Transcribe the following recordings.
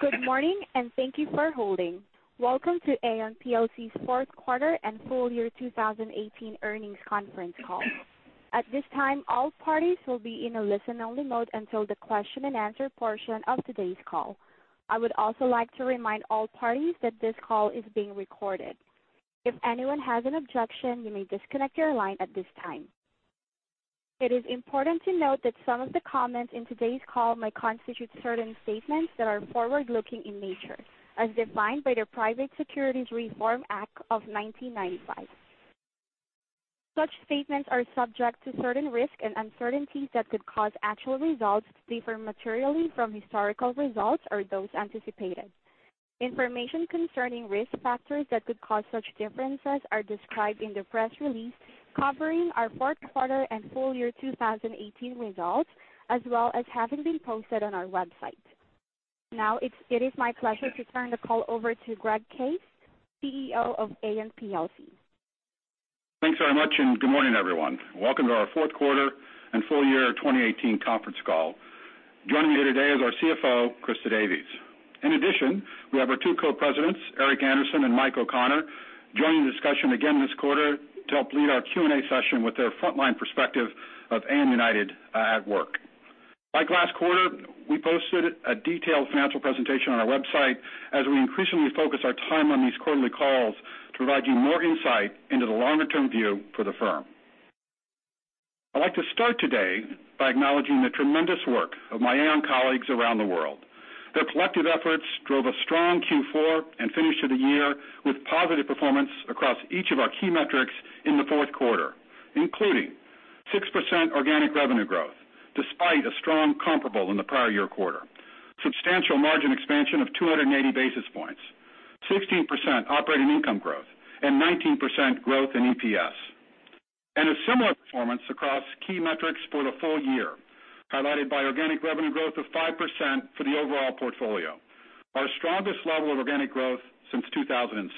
Good morning, and thank you for holding. Welcome to Aon plc's fourth quarter and full year 2018 earnings conference call. At this time, all parties will be in a listen-only mode until the question-and-answer portion of today's call. I would also like to remind all parties that this call is being recorded. If anyone has an objection, you may disconnect your line at this time. It is important to note that some of the comments in today's call may constitute certain statements that are forward-looking in nature, as defined by the Private Securities Litigation Reform Act of 1995. Such statements are subject to certain risks and uncertainties that could cause actual results to differ materially from historical results or those anticipated. Information concerning risk factors that could cause such differences are described in the press release covering our fourth quarter and full year 2018 results, as well as having been posted on our website. Now, it is my pleasure to turn the call over to Greg Case, CEO of Aon plc. Thanks very much. Good morning, everyone. Welcome to our fourth quarter and full year 2018 conference call. Joining me today is our CFO, Christa Davies. We have our two co-presidents, Eric Andersen and Mike O'Connor, joining the discussion again this quarter to help lead our Q&A session with their frontline perspective of Aon United at work. Like last quarter, we posted a detailed financial presentation on our website as we increasingly focus our time on these quarterly calls to provide you more insight into the longer-term view for the firm. I'd like to start today by acknowledging the tremendous work of my Aon colleagues around the world. Their collective efforts drove a strong Q4 and finish to the year with positive performance across each of our key metrics in the fourth quarter, including 6% organic revenue growth despite a strong comparable in the prior year quarter, substantial margin expansion of 280 basis points, 16% operating income growth, and 19% growth in EPS. A similar performance across key metrics for the full year, highlighted by organic revenue growth of 5% for the overall portfolio, our strongest level of organic growth since 2006.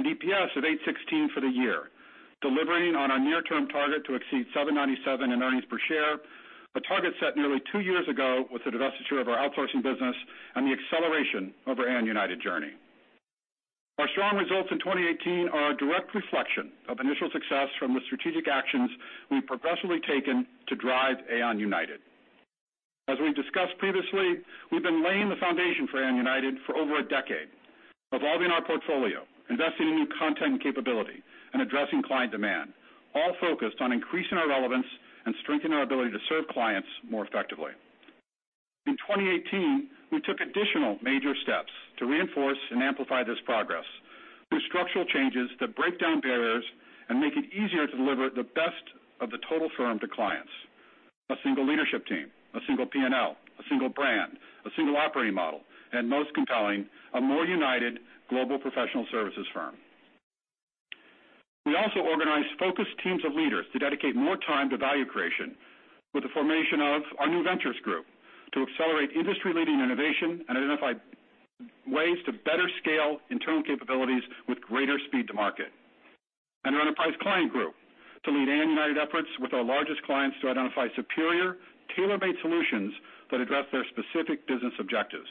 EPS of $8.16 for the year, delivering on our near-term target to exceed $7.97 in earnings per share, a target set nearly two years ago with the divestiture of our outsourcing business and the acceleration of our Aon United journey. Our strong results in 2018 are a direct reflection of initial success from the strategic actions we've progressively taken to drive Aon United. As we've discussed previously, we've been laying the foundation for Aon United for over a decade, evolving our portfolio, investing in new content capability, and addressing client demand, all focused on increasing our relevance and strengthening our ability to serve clients more effectively. In 2018, we took additional major steps to reinforce and amplify this progress through structural changes that break down barriers and make it easier to deliver the best of the total firm to clients. A single leadership team, a single P&L, a single brand, a single operating model, and most compelling, a more united global professional services firm. We also organized focused teams of leaders to dedicate more time to value creation with the formation of our new ventures group to accelerate industry-leading innovation and identify ways to better scale internal capabilities with greater speed to market. Our enterprise client group to lead Aon United efforts with our largest clients to identify superior, tailor-made solutions that address their specific business objectives,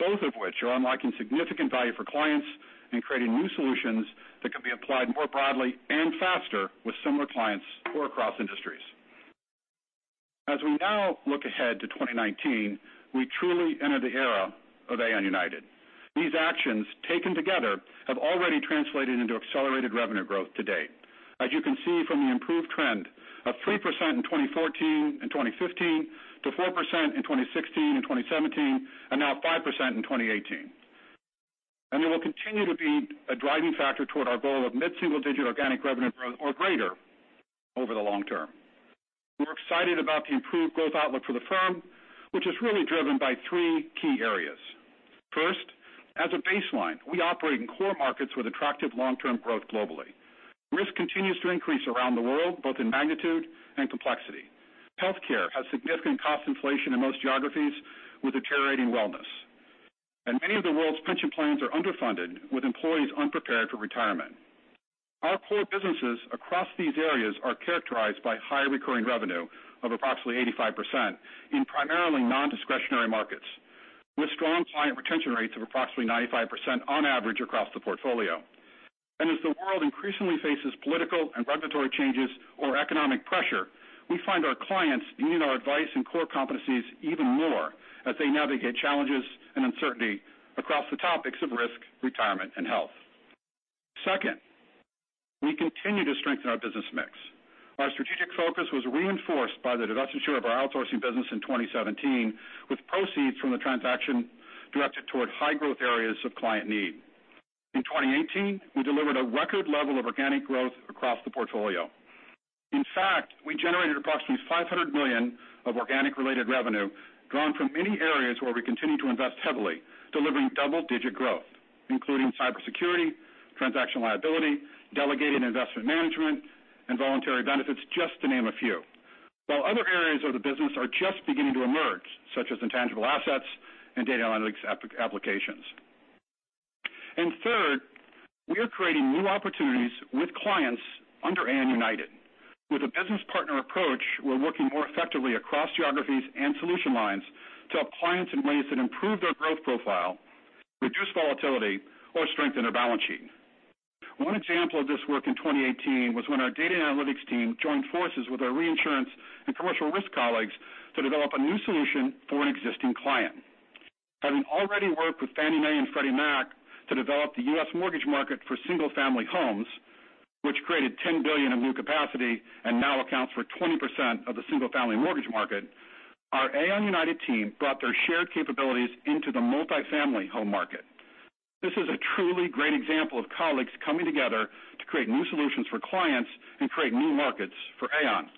both of which are unlocking significant value for clients and creating new solutions that can be applied more broadly and faster with similar clients or across industries. As we now look ahead to 2019, we truly enter the era of Aon United. These actions, taken together, have already translated into accelerated revenue growth to date. As you can see from the improved trend of 3% in 2014 and 2015 to 4% in 2016 and 2017, and now 5% in 2018. They will continue to be a driving factor toward our goal of mid-single-digit organic revenue growth or greater over the long term. We're excited about the improved growth outlook for the firm, which is really driven by three key areas. First, as a baseline, we operate in core markets with attractive long-term growth globally. Risk continues to increase around the world, both in magnitude and complexity. Healthcare has significant cost inflation in most geographies with deteriorating wellness, and many of the world's pension plans are underfunded, with employees unprepared for retirement. Our core businesses across these areas are characterized by high recurring revenue of approximately 85% in primarily non-discretionary markets, with strong client retention rates of approximately 95% on average across the portfolio. As the world increasingly faces political and regulatory changes or economic pressure, we find our clients needing our advice and core competencies even more as they navigate challenges and uncertainty across the topics of risk, retirement, and health. Second, we continue to strengthen our business mix. Our strategic focus was reinforced by the divestiture of our outsourcing business in 2017, with proceeds from the transaction directed toward high-growth areas of client need. In 2018, we delivered a record level of organic growth across the portfolio. In fact, we generated approximately $500 million of organic related revenue drawn from many areas where we continue to invest heavily, delivering double-digit growth, including cybersecurity, transaction liability, delegated investment management, and voluntary benefits, just to name a few. While other areas of the business are just beginning to emerge, such as intangible assets and data analytics applications. Third, we are creating new opportunities with clients under Aon United. With a business partner approach, we're working more effectively across geographies and solution lines to help clients in ways that improve their growth profile, reduce volatility, or strengthen their balance sheet. One example of this work in 2018 was when our data analytics team joined forces with our reinsurance and commercial risk colleagues to develop a new solution for an existing client. Having already worked with Fannie Mae and Freddie Mac to develop the U.S. mortgage market for single family homes, which created $10 billion of new capacity and now accounts for 20% of the single family mortgage market, our Aon United team brought their shared capabilities into the multifamily home market. This is a truly great example of colleagues coming together to create new solutions for clients and create new markets for Aon.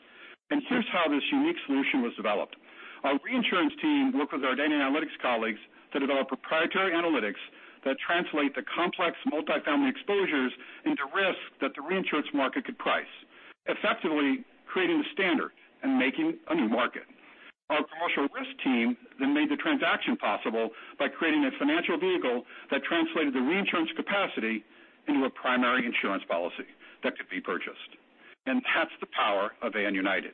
Here's how this unique solution was developed. Our reinsurance team worked with our data analytics colleagues to develop proprietary analytics that translate the complex multifamily exposures into risk that the reinsurance market could price, effectively creating the standard and making a new market. Our commercial risk team then made the transaction possible by creating a financial vehicle that translated the reinsurance capacity into a primary insurance policy that could be purchased. That's the power of Aon United,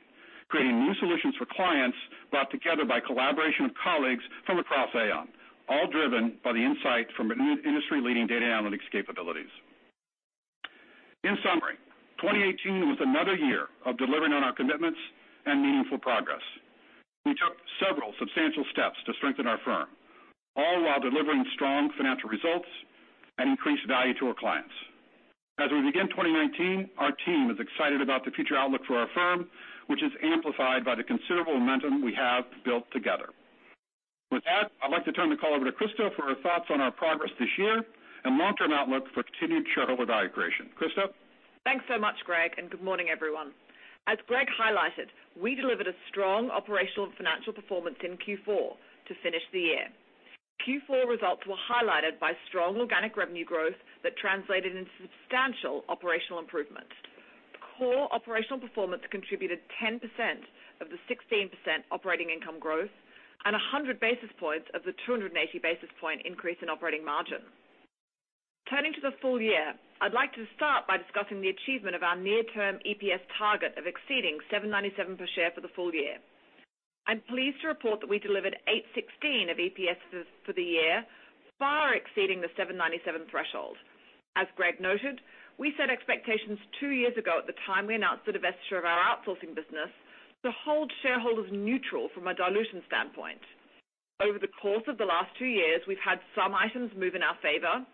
creating new solutions for clients brought together by collaboration with colleagues from across Aon, all driven by the insight from industry leading data analytics capabilities. In summary, 2018 was another year of delivering on our commitments and meaningful progress. We took several substantial steps to strengthen our firm, all while delivering strong financial results and increased value to our clients. As we begin 2019, our team is excited about the future outlook for our firm, which is amplified by the considerable momentum we have built together. With that, I'd like to turn the call over to Christa for her thoughts on our progress this year and long term outlook for continued shareholder value creation. Christa? Thanks so much, Greg, and good morning, everyone. As Greg highlighted, we delivered a strong operational and financial performance in Q4 to finish the year. Q4 results were highlighted by strong organic revenue growth that translated into substantial operational improvements. Core operational performance contributed 10% of the 16% operating income growth and 100 basis points of the 280 basis point increase in operating margin. Turning to the full year, I'd like to start by discussing the achievement of our near term EPS target of exceeding $7.97 per share for the full year. I'm pleased to report that we delivered $8.16 of EPS for the year, far exceeding the $7.97 threshold. As Greg noted, we set expectations two years ago at the time we announced the divestiture of our outsourcing business to hold shareholders neutral from a dilution standpoint. Over the course of the last two years, we've had some items move in our favor,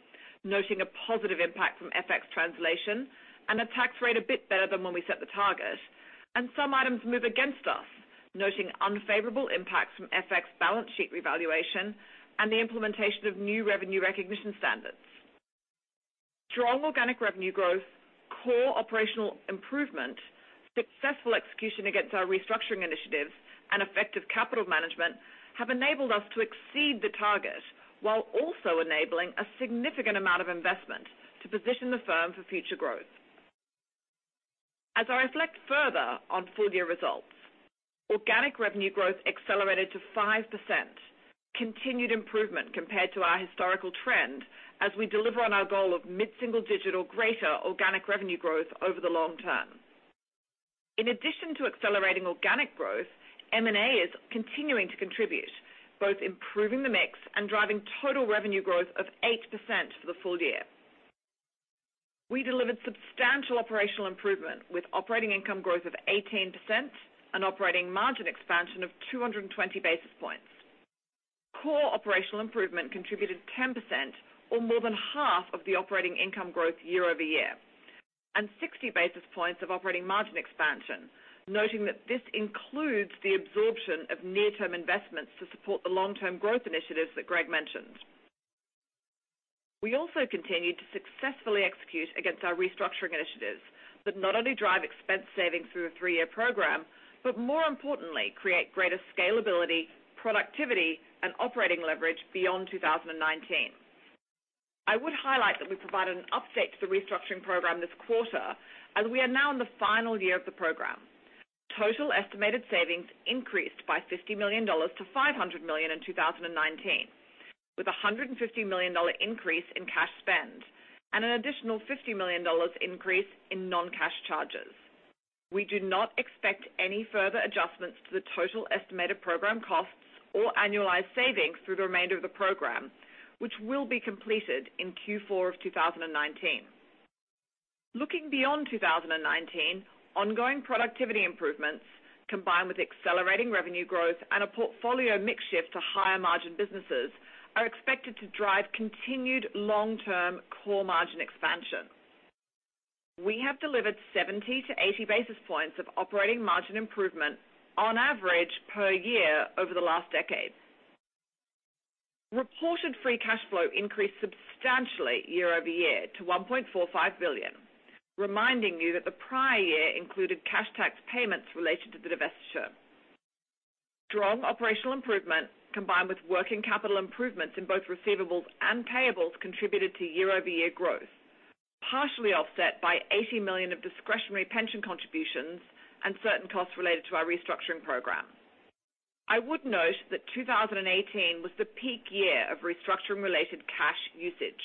noting a positive impact from FX translation and a tax rate a bit better than when we set the target, and some items move against us, noting unfavorable impacts from FX balance sheet revaluation and the implementation of new revenue recognition standards. Strong organic revenue growth, core operational improvement, successful execution against our restructuring initiatives, and effective capital management have enabled us to exceed the target while also enabling a significant amount of investment to position the firm for future growth. As I reflect further on full year results, organic revenue growth accelerated to 5%, continued improvement compared to our historical trend as we deliver on our goal of mid-single digit or greater organic revenue growth over the long term. In addition to accelerating organic growth, M&A is continuing to contribute, both improving the mix and driving total revenue growth of 8% for the full year. We delivered substantial operational improvement with operating income growth of 18% and operating margin expansion of 220 basis points. Core operational improvement contributed 10% or more than half of the operating income growth year-over-year, and 60 basis points of operating margin expansion, noting that this includes the absorption of near-term investments to support the long-term growth initiatives that Greg mentioned. We also continued to successfully execute against our restructuring initiatives that not only drive expense savings through a three-year program, but more importantly, create greater scalability, productivity, and operating leverage beyond 2019. I would highlight that we provided an update to the restructuring program this quarter, as we are now in the final year of the program. Total estimated savings increased by $50 million to $500 million in 2019, with $150 million increase in cash spend and an additional $50 million increase in non-cash charges. We do not expect any further adjustments to the total estimated program costs or annualized savings through the remainder of the program, which will be completed in Q4 of 2019. Looking beyond 2019, ongoing productivity improvements, combined with accelerating revenue growth and a portfolio mix shift to higher margin businesses, are expected to drive continued long-term core margin expansion. We have delivered 70 to 80 basis points of operating margin improvement on average per year over the last decade. Reported free cash flow increased substantially year-over-year to $1.45 billion, reminding you that the prior year included cash tax payments related to the divestiture. Strong operational improvement, combined with working capital improvements in both receivables and payables contributed to year-over-year growth, partially offset by $80 million of discretionary pension contributions and certain costs related to our restructuring program. I would note that 2018 was the peak year of restructuring related cash usage.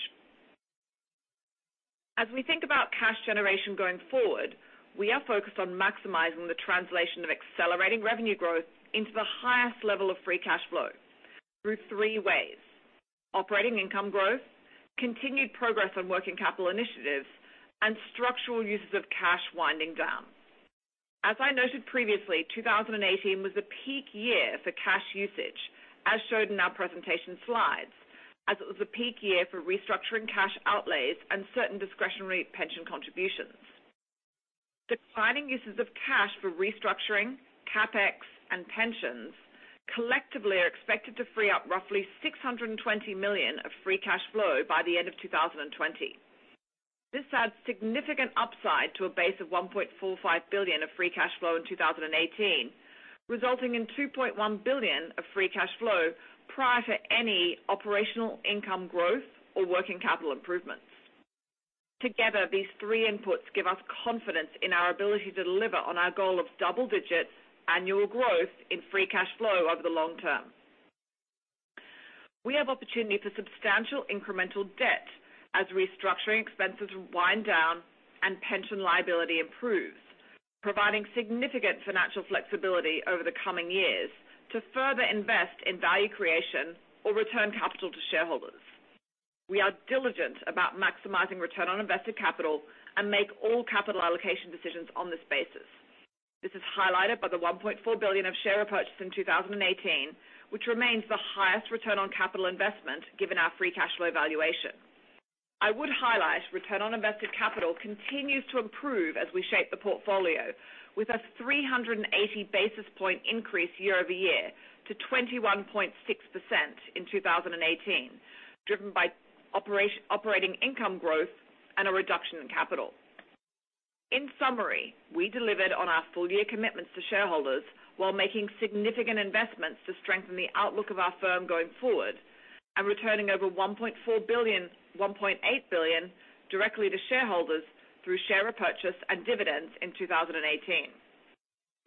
As we think about cash generation going forward, we are focused on maximizing the translation of accelerating revenue growth into the highest level of free cash flow through three ways: operating income growth, continued progress on working capital initiatives, and structural uses of cash winding down. As I noted previously, 2018 was a peak year for cash usage, as shown in our presentation slides, as it was a peak year for restructuring cash outlays and certain discretionary pension contributions. Declining uses of cash for restructuring, CapEx, and pensions collectively are expected to free up roughly $620 million of free cash flow by the end of 2020. This adds significant upside to a base of $1.45 billion of free cash flow in 2018, resulting in $2.1 billion of free cash flow prior to any operational income growth or working capital improvements. Together, these three inputs give us confidence in our ability to deliver on our goal of double-digit annual growth in free cash flow over the long term. We have opportunity for substantial incremental debt as restructuring expenses wind down and pension liability improves, providing significant financial flexibility over the coming years to further invest in value creation or return capital to shareholders. We are diligent about maximizing return on invested capital and make all capital allocation decisions on this basis. This is highlighted by the $1.4 billion of share repurchase in 2018, which remains the highest return on capital investment given our free cash flow evaluation. I would highlight return on invested capital continues to improve as we shape the portfolio with a 380 basis point increase year-over-year to 21.6% in 2018, driven by operating income growth and a reduction in capital. In summary, we delivered on our full year commitments to shareholders while making significant investments to strengthen the outlook of our firm going forward and returning over $1.8 billion directly to shareholders through share repurchase and dividends in 2018.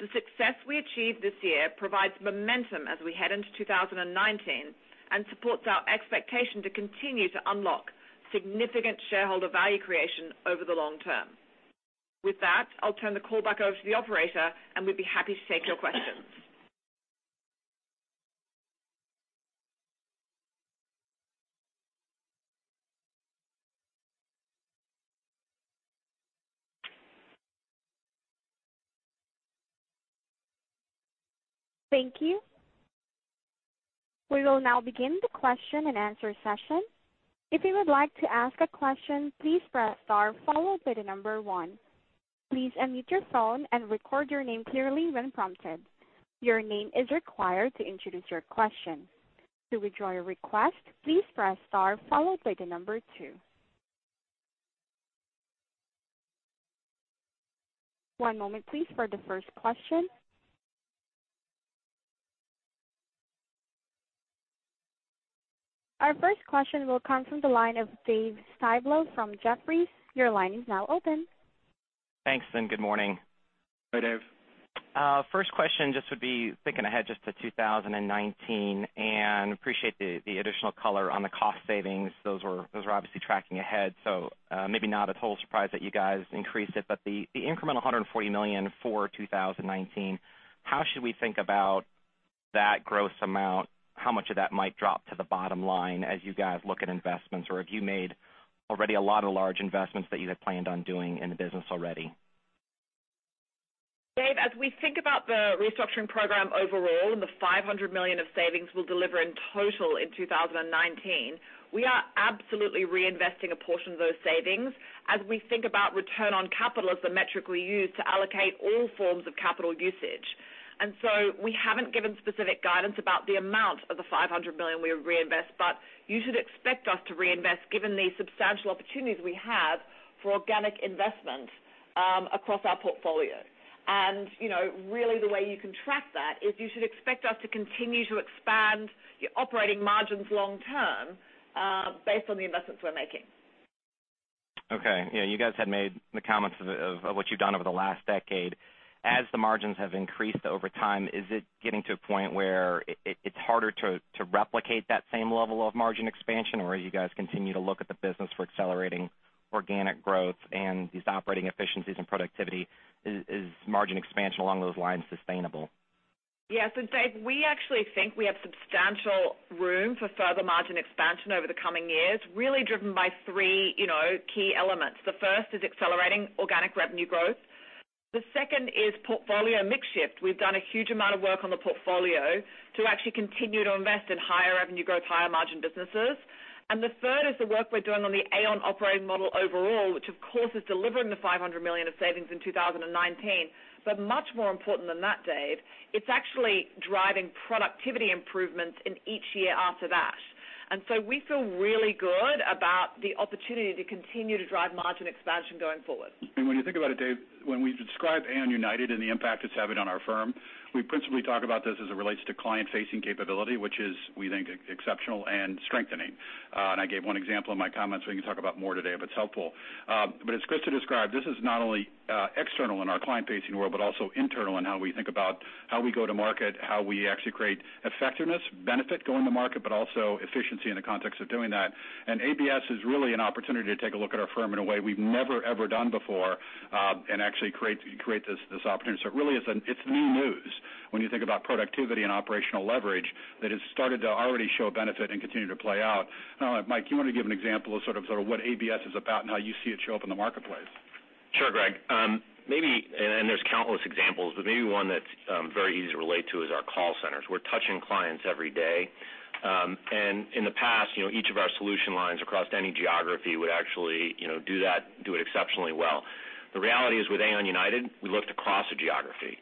The success we achieved this year provides momentum as we head into 2019 and supports our expectation to continue to unlock significant shareholder value creation over the long term. With that, I'll turn the call back over to the operator. We'd be happy to take your questions. Thank you. We will now begin the question and answer session. If you would like to ask a question, please press star followed by the number one. Please unmute your phone and record your name clearly when prompted. Your name is required to introduce your question. To withdraw your request, please press star followed by the number two. One moment, please, for the first question. Our first question will come from the line of David Styblo from Jefferies. Your line is now open. Thanks. Good morning. Hi, Dave. First question just would be thinking ahead just to 2019 and appreciate the additional color on the cost savings. Those were obviously tracking ahead, so maybe not a total surprise that you guys increased it. The incremental $140 million for 2019, how should we think about that gross amount, how much of that might drop to the bottom line as you guys look at investments, or have you made already a lot of large investments that you had planned on doing in the business already? Dave, as we think about the restructuring program overall and the $500 million of savings we'll deliver in total in 2019, we are absolutely reinvesting a portion of those savings as we think about return on capital as the metric we use to allocate all forms of capital usage. We haven't given specific guidance about the amount of the $500 million we reinvest, you should expect us to reinvest given the substantial opportunities we have for organic investment across our portfolio. Really the way you can track that is you should expect us to continue to expand your operating margins long term based on the investments we're making. Okay. Yeah, you guys had made the comments of what you've done over the last decade. As the margins have increased over time, is it getting to a point where it's harder to replicate that same level of margin expansion, or as you guys continue to look at the business for accelerating organic growth and these operating efficiencies and productivity, is margin expansion along those lines sustainable? Yeah. Dave, we actually think we have substantial room for further margin expansion over the coming years, really driven by three key elements. The first is accelerating organic revenue growth. The second is portfolio mix shift. We've done a huge amount of work on the portfolio to actually continue to invest in higher revenue growth, higher margin businesses. The third is the work we're doing on the Aon Operating Model overall, which of course is delivering the $500 million of savings in 2019. Much more important than that, Dave, it's actually driving productivity improvements in each year after that. We feel really good about the opportunity to continue to drive margin expansion going forward. When you think about it, Dave, when we describe Aon United and the impact it's having on our firm, we principally talk about this as it relates to client-facing capability, which is, we think, exceptional and strengthening. I gave one example in my comments. We can talk about more today if it's helpful. As Christa described, this is not only external in our client-facing world, but also internal in how we think about how we go to market, how we actually create effectiveness, benefit going to market, but also efficiency in the context of doing that. ABS is really an opportunity to take a look at our firm in a way we've never, ever done before, and actually create this opportunity. It really is new news when you think about productivity and operational leverage that has started to already show benefit and continue to play out. Mike, you want to give an example of sort of what ABS is about and how you see it show up in the marketplace? Sure, Greg. There's countless examples, but maybe one that's very easy to relate to is our call centers. We're touching clients every day. In the past, each of our solution lines across any geography would actually do that, do it exceptionally well. The reality is, with Aon United, we looked across the geography,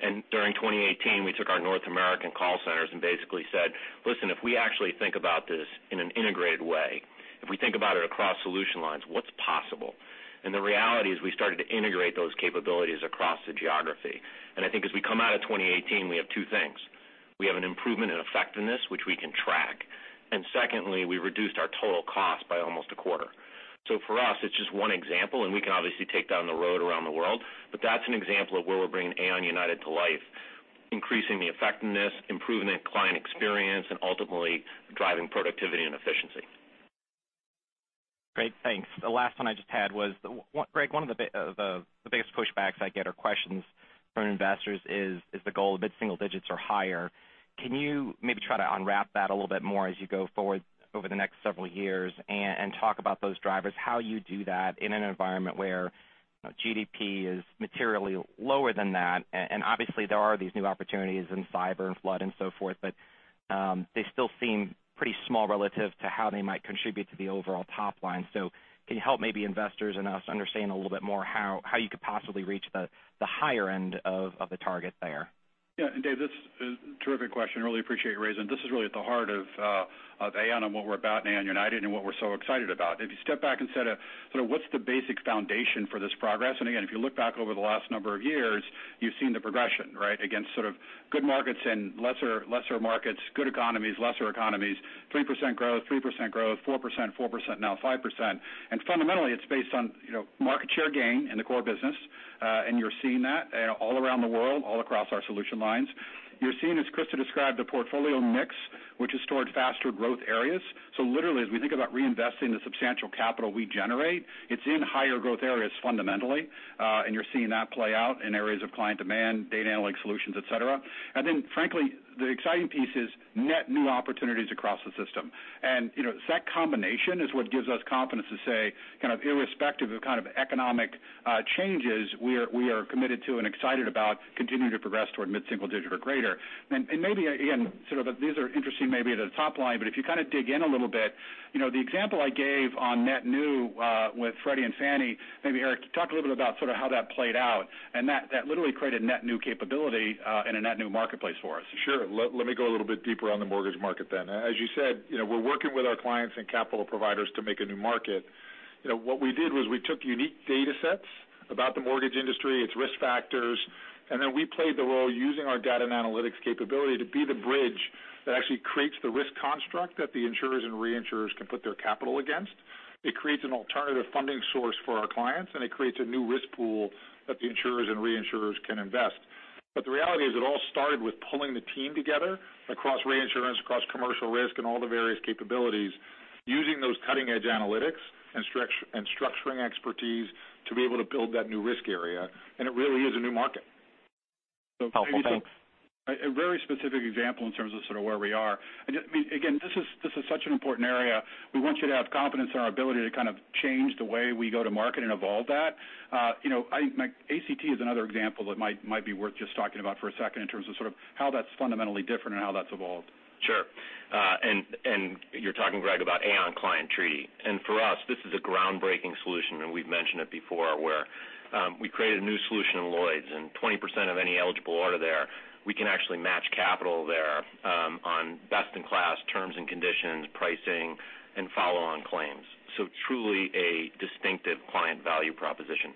and during 2018, we took our North American call centers and basically said, "Listen, if we actually think about this in an integrated way, if we think about it across solution lines, what's possible?" The reality is, we started to integrate those capabilities across the geography. I think as we come out of 2018, we have two things. We have an improvement in effectiveness, which we can track. Secondly, we reduced our total cost by almost a quarter. For us, it's just one example, and we can obviously take that on the road around the world, but that's an example of where we're bringing Aon United to life, increasing the effectiveness, improving the client experience, and ultimately driving productivity and efficiency. Great, thanks. The last one I just had was, Greg, one of the biggest pushbacks I get, or questions from investors is the goal mid-single digits or higher? Can you maybe try to unwrap that a little bit more as you go forward over the next several years and talk about those drivers, how you do that in an environment where GDP is materially lower than that? Obviously there are these new opportunities in cyber and flood and so forth, but they still seem pretty small relative to how they might contribute to the overall top line. Can you help maybe investors and us understand a little bit more how you could possibly reach the higher end of the target there? Yeah, Dave, this is a terrific question. Really appreciate you raising it. This is really at the heart of Aon and what we're about in Aon United what we're so excited about. If you step back and said, "What's the basic foundation for this progress?" Again, if you look back over the last number of years, you've seen the progression, right? Against sort of good markets and lesser markets, good economies, lesser economies, 3% growth, 3% growth, 4%, 4%, now 5%. Fundamentally, it's based on market share gain in the core business. You're seeing that all around the world, all across our solution lines. You're seeing, as Christa described, the portfolio mix, which has stored faster growth areas. Literally, as we think about reinvesting the substantial capital we generate, it's in higher growth areas fundamentally. You're seeing that play out in areas of client demand, data analytics solutions, et cetera. Frankly, the exciting piece is net new opportunities across the system. It's that combination is what gives us confidence to say kind of irrespective of kind of economic changes, we are committed to and excited about continuing to progress toward mid-single digit or greater. Maybe again, these are interesting maybe at a top line, but if you kind of dig in a little bit, the example I gave on net new with Freddie Mac and Fannie Mae, maybe Eric, talk a little bit about how that played out and that literally created net new capability and a net new marketplace for us. Sure. Let me go a little bit deeper on the mortgage market then. As you said, we're working with our clients and capital providers to make a new market. What we did was we took unique data sets about the mortgage industry, its risk factors, and then we played the role using our data and analytics capability to be the bridge that actually creates the risk construct that the insurers and reinsurers can put their capital against. It creates an alternative funding source for our clients, and it creates a new risk pool that the insurers and reinsurers can invest. The reality is, it all started with pulling the team together across reinsurance, across commercial risk and all the various capabilities, using those cutting-edge analytics and structuring expertise to be able to build that new risk area. It really is a new market. Helpful. Thanks. A very specific example in terms of sort of where we are. Again, this is such an important area. We want you to have confidence in our ability to kind of change the way we go to market and evolve that. ACT is another example that might be worth just talking about for a second in terms of sort of how that's fundamentally different and how that's evolved. Sure. You're talking, Greg, about Aon Client Treaty. For us, this is a groundbreaking solution, and we've mentioned it before, where we created a new solution in Lloyd's and 20% of any eligible order there, we can actually match capital there on best in class terms and conditions, pricing, and follow on claims. Truly a distinctive client value proposition.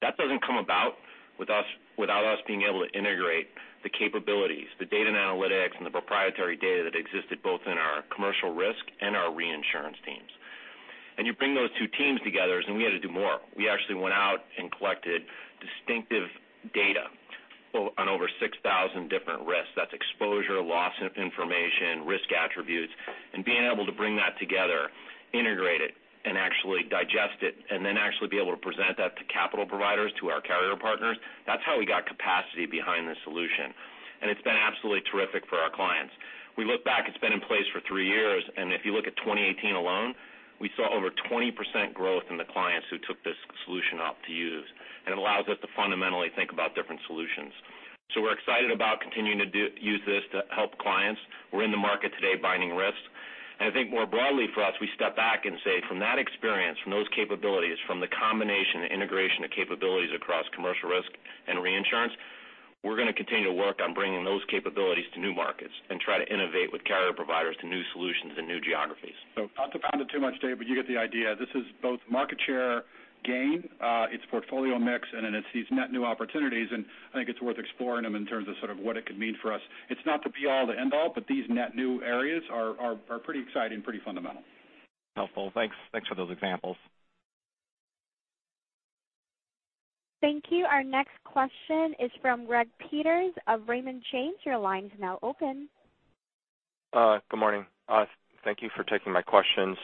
That doesn't come about without us being able to integrate the capabilities, the data and analytics and the proprietary data that existed both in our commercial risk and our reinsurance teams. You bring those two teams together, and we had to do more. We actually went out and collected distinctive data on over 6,000 different risks. That's exposure, loss information, risk attributes, being able to bring that together, integrate it and actually digest it, then actually be able to present that to capital providers, to our carrier partners. That's how we got capacity behind the solution. It's been absolutely terrific for our clients. We look back, it's been in place for three years, and if you look at 2018 alone, we saw over 20% growth in the clients who took this solution up to use. It allows us to fundamentally think about different solutions. We're excited about continuing to use this to help clients. We're in the market today binding risks. I think more broadly for us, we step back and say from that experience, from those capabilities, from the combination and integration of capabilities across commercial risk and reinsurance. We're going to continue to work on bringing those capabilities to new markets and try to innovate with carrier providers to new solutions and new geographies. Not to pound it too much, Dave, but you get the idea. This is both market share gain, it's portfolio mix, it's these net new opportunities, I think it's worth exploring them in terms of what it could mean for us. It's not the be all to end all, but these net new areas are pretty exciting, pretty fundamental. Helpful. Thanks. Thanks for those examples. Thank you. Our next question is from Greg Peters of Raymond James. Your line's now open. Good morning. Thank you for taking my questions.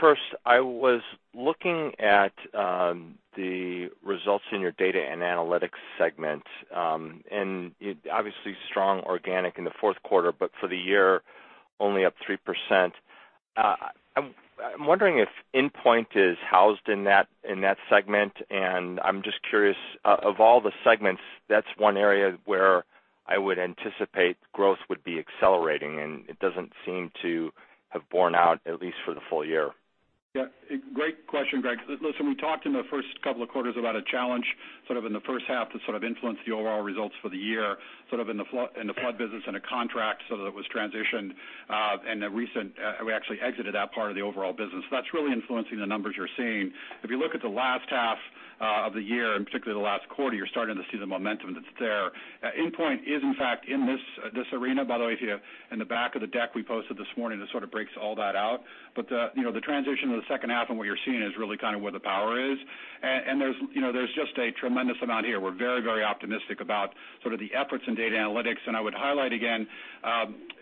First, I was looking at the results in your data and analytics segment. Obviously strong organic in the fourth quarter, but for the year only up 3%. I'm wondering if Endpoint is housed in that segment and I'm just curious, of all the segments, that's one area where I would anticipate growth would be accelerating, and it doesn't seem to have borne out at least for the full year. Yeah, great question, Greg. Listen, we talked in the first couple of quarters about a challenge sort of in the first half that sort of influenced the overall results for the year, sort of in the flood business and a contract, so that was transitioned. We actually exited that part of the overall business. That's really influencing the numbers you're seeing. If you look at the last half of the year, and particularly the last quarter, you're starting to see the momentum that's there. Endpoint is in fact in this arena. By the way, if you, in the back of the deck we posted this morning, it sort of breaks all that out. The transition of the second half and what you're seeing is really kind of where the power is. There's just a tremendous amount here. We're very optimistic about sort of the efforts in data analytics, I would highlight again,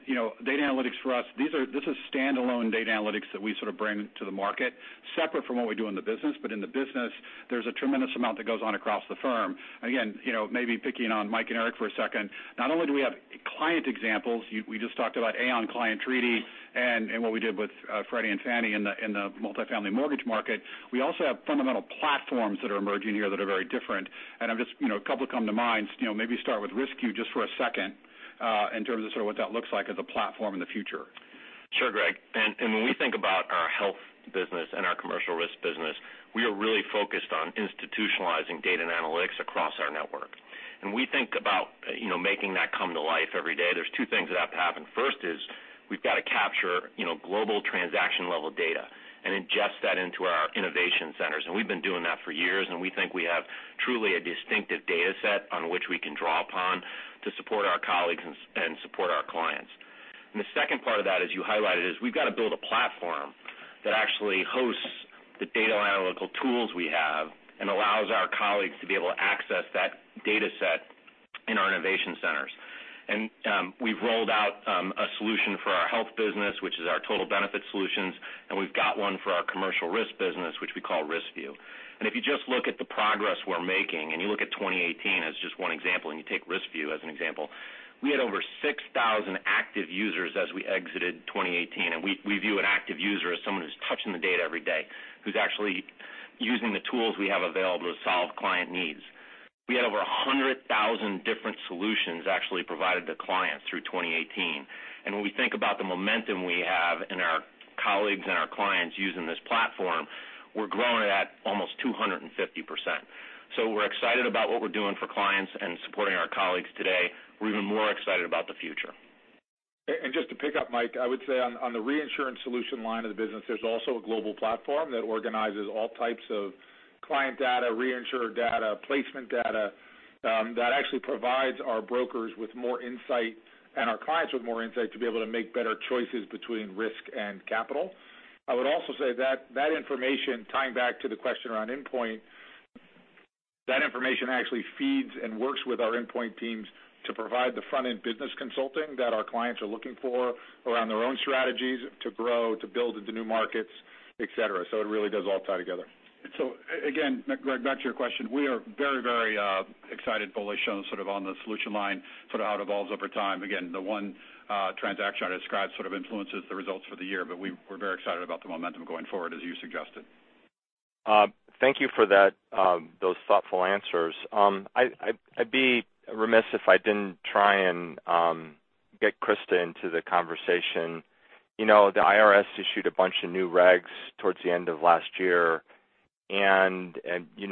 data analytics for us, this is standalone data analytics that we sort of bring to the market separate from what we do in the business. In the business, there's a tremendous amount that goes on across the firm. Again, maybe picking on Mike and Eric for a second, not only do we have client examples, we just talked about Aon Client Treaty and what we did with Freddie Mac and Fannie Mae in the multi-family mortgage market. We also have fundamental platforms that are emerging here that are very different, a couple come to mind, maybe start with Risk/View just for a second, in terms of sort of what that looks like as a platform in the future. Sure, Greg. When we think about our health business and our commercial risk business, we are really focused on institutionalizing data and analytics across our network. We think about making that come to life every day. There's two things that have to happen. First is we've got to capture global transaction-level data and ingest that into our innovation centers. We've been doing that for years, we think we have truly a distinctive data set on which we can draw upon to support our colleagues and support our clients. The second part of that, as you highlighted, is we've got to build a platform that actually hosts the data analytical tools we have and allows our colleagues to be able to access that data set in our innovation centers. We've rolled out a solution for our health business, which is our Total Benefit Solutions, we've got one for our commercial risk business, which we call Risk/View. If you just look at the progress we're making, you look at 2018 as just one example, you take Risk/View as an example, we had over 6,000 active users as we exited 2018. We view an active user as someone who's touching the data every day, who's actually using the tools we have available to solve client needs. We had over 100,000 different solutions actually provided to clients through 2018. When we think about the momentum we have and our colleagues and our clients using this platform, we're growing it at almost 250%. We're excited about what we're doing for clients and supporting our colleagues today. We're even more excited about the future. Just to pick up Mike, I would say on the reinsurance solution line of the business, there's also a global platform that organizes all types of client data, reinsurer data, placement data, that actually provides our brokers with more insight and our clients with more insight to be able to make better choices between risk and capital. I would also say that information, tying back to the question around Endpoint, that information actually feeds and works with our Endpoint teams to provide the front-end business consulting that our clients are looking for around their own strategies to grow, to build into new markets, et cetera. It really does all tie together. back to your question. We are very, very excited, bullish on the solution line, sort of how it evolves over time. Again, the one transaction I described sort of influences the results for the year, but we're very excited about the momentum going forward, as you suggested. Thank you for those thoughtful answers. I'd be remiss if I didn't try and get Christa into the conversation. The IRS issued a bunch of new regs towards the end of last year,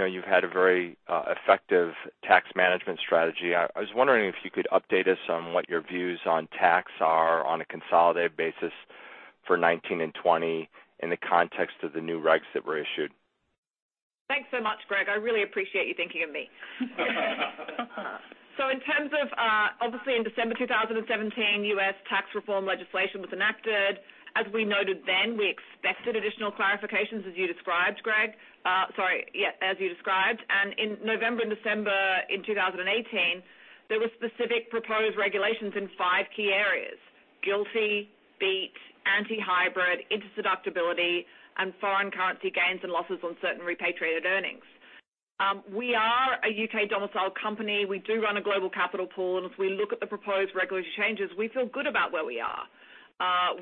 you've had a very effective tax management strategy. I was wondering if you could update us on what your views on tax are on a consolidated basis for 2019 and 2020 in the context of the new regs that were issued. Thanks so much, Greg. I really appreciate you thinking of me. In terms of, obviously in December 2017, U.S. tax reform legislation was enacted. As we noted then, we expected additional clarifications, as you described, Greg. In November and December in 2018, there were specific proposed regulations in five key areas: GILTI, BEAT, anti-hybrid, interest deductibility, and foreign currency gains and losses on certain repatriated earnings. We are a U.K.-domiciled company. We do run a global capital pool, if we look at the proposed regulatory changes, we feel good about where we are.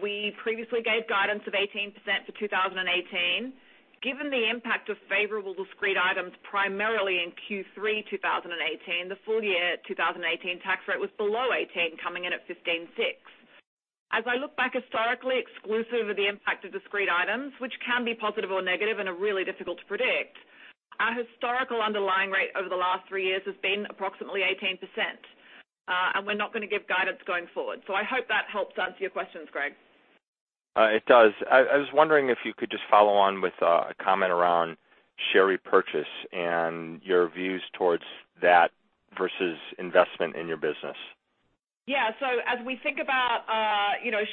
We previously gave guidance of 18% for 2018. Given the impact of favorable discrete items primarily in Q3 2018, the full year 2018 tax rate was below 18%, coming in at 15.6%. As I look back historically, exclusive of the impact of discrete items, which can be positive or negative and are really difficult to predict, our historical underlying rate over the last three years has been approximately 18%. We're not going to give guidance going forward. I hope that helps answer your questions, Greg. It does. I was wondering if you could just follow on with a comment around share repurchase and your views towards that versus investment in your business. Yeah. As we think about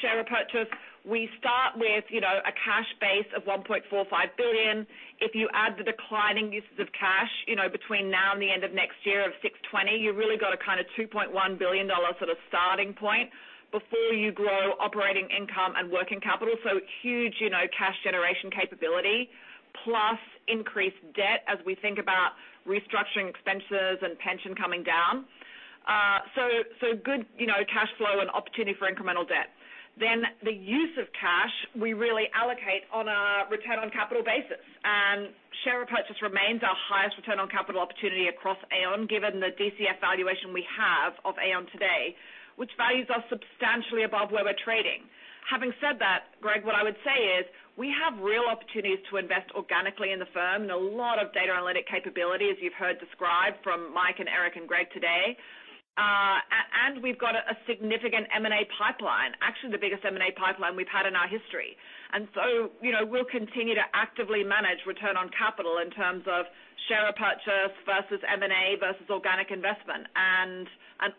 share repurchase, we start with a cash base of $1.45 billion. If you add the declining uses of cash, between now and the end of next year of $620, you really got a kind of $2.1 billion sort of starting point before you grow operating income and working capital. Huge cash generation capability plus increased debt as we think about restructuring expenses and pension coming down. Good cash flow and opportunity for incremental debt. The use of cash we really allocate on a return on capital basis. Share repurchase remains our highest return on capital opportunity across Aon given the DCF valuation we have of Aon today, which values us substantially above where we're trading. Having said that, Greg, what I would say is we have real opportunities to invest organically in the firm and a lot of data analytic capability as you've heard described from Mike and Eric and Greg today. We've got a significant M&A pipeline, actually the biggest M&A pipeline we've had in our history. We'll continue to actively manage return on capital in terms of share repurchase versus M&A versus organic investment and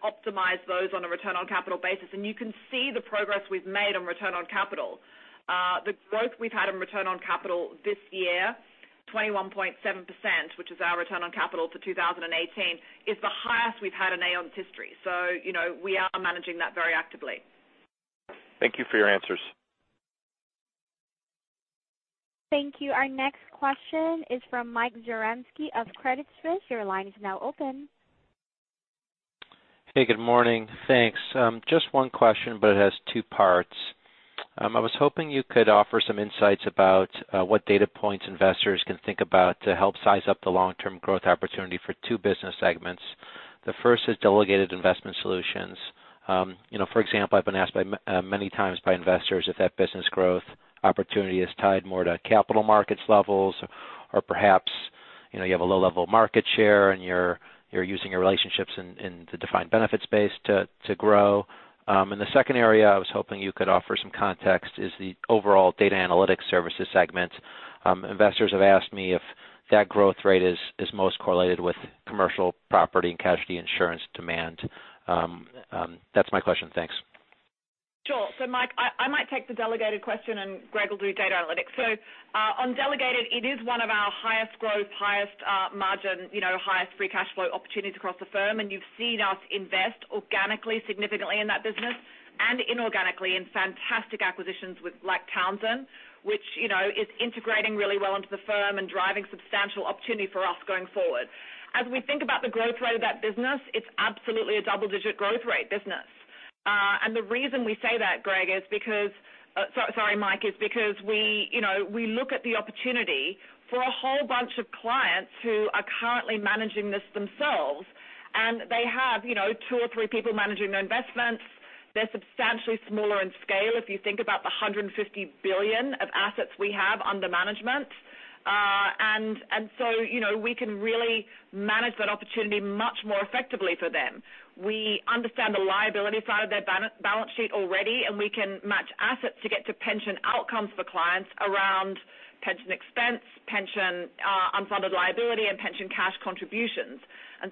optimize those on a return on capital basis. You can see the progress we've made on return on capital. The growth we've had on return on capital this year, 21.7%, which is our return on capital to 2018, is the highest we've had in Aon's history. We are managing that very actively. Thank you for your answers. Thank you. Our next question is from Michael Zaremski of Credit Suisse. Your line is now open. Hey, good morning. Thanks. Just one question, but it has two parts. I was hoping you could offer some insights about what data points investors can think about to help size up the long-term growth opportunity for two business segments. The first is delegated investment solutions. For example, I've been asked many times by investors if that business growth opportunity is tied more to capital markets levels or perhaps you have a low level of market share and you're using your relationships in the defined benefits base to grow. The second area I was hoping you could offer some context is the overall data analytics services segment. Investors have asked me if that growth rate is most correlated with commercial property and casualty insurance demand. That's my question. Thanks. Sure. Mike, I might take the delegated question. Greg will do data analytics. On delegated, it is one of our highest growth, highest margin, highest free cash flow opportunities across the firm. You've seen us invest organically significantly in that business and inorganically in fantastic acquisitions like Townsend, which is integrating really well into the firm and driving substantial opportunity for us going forward. As we think about the growth rate of that business, it's absolutely a double-digit growth rate business. The reason we say that, Mike, is because we look at the opportunity for a whole bunch of clients who are currently managing this themselves, and they have two or three people managing their investments. They're substantially smaller in scale if you think about the $150 billion of assets we have under management. We can really manage that opportunity much more effectively for them. We understand the liability side of their balance sheet already. We can match assets to get to pension outcomes for clients around pension expense, pension unfunded liability, and pension cash contributions.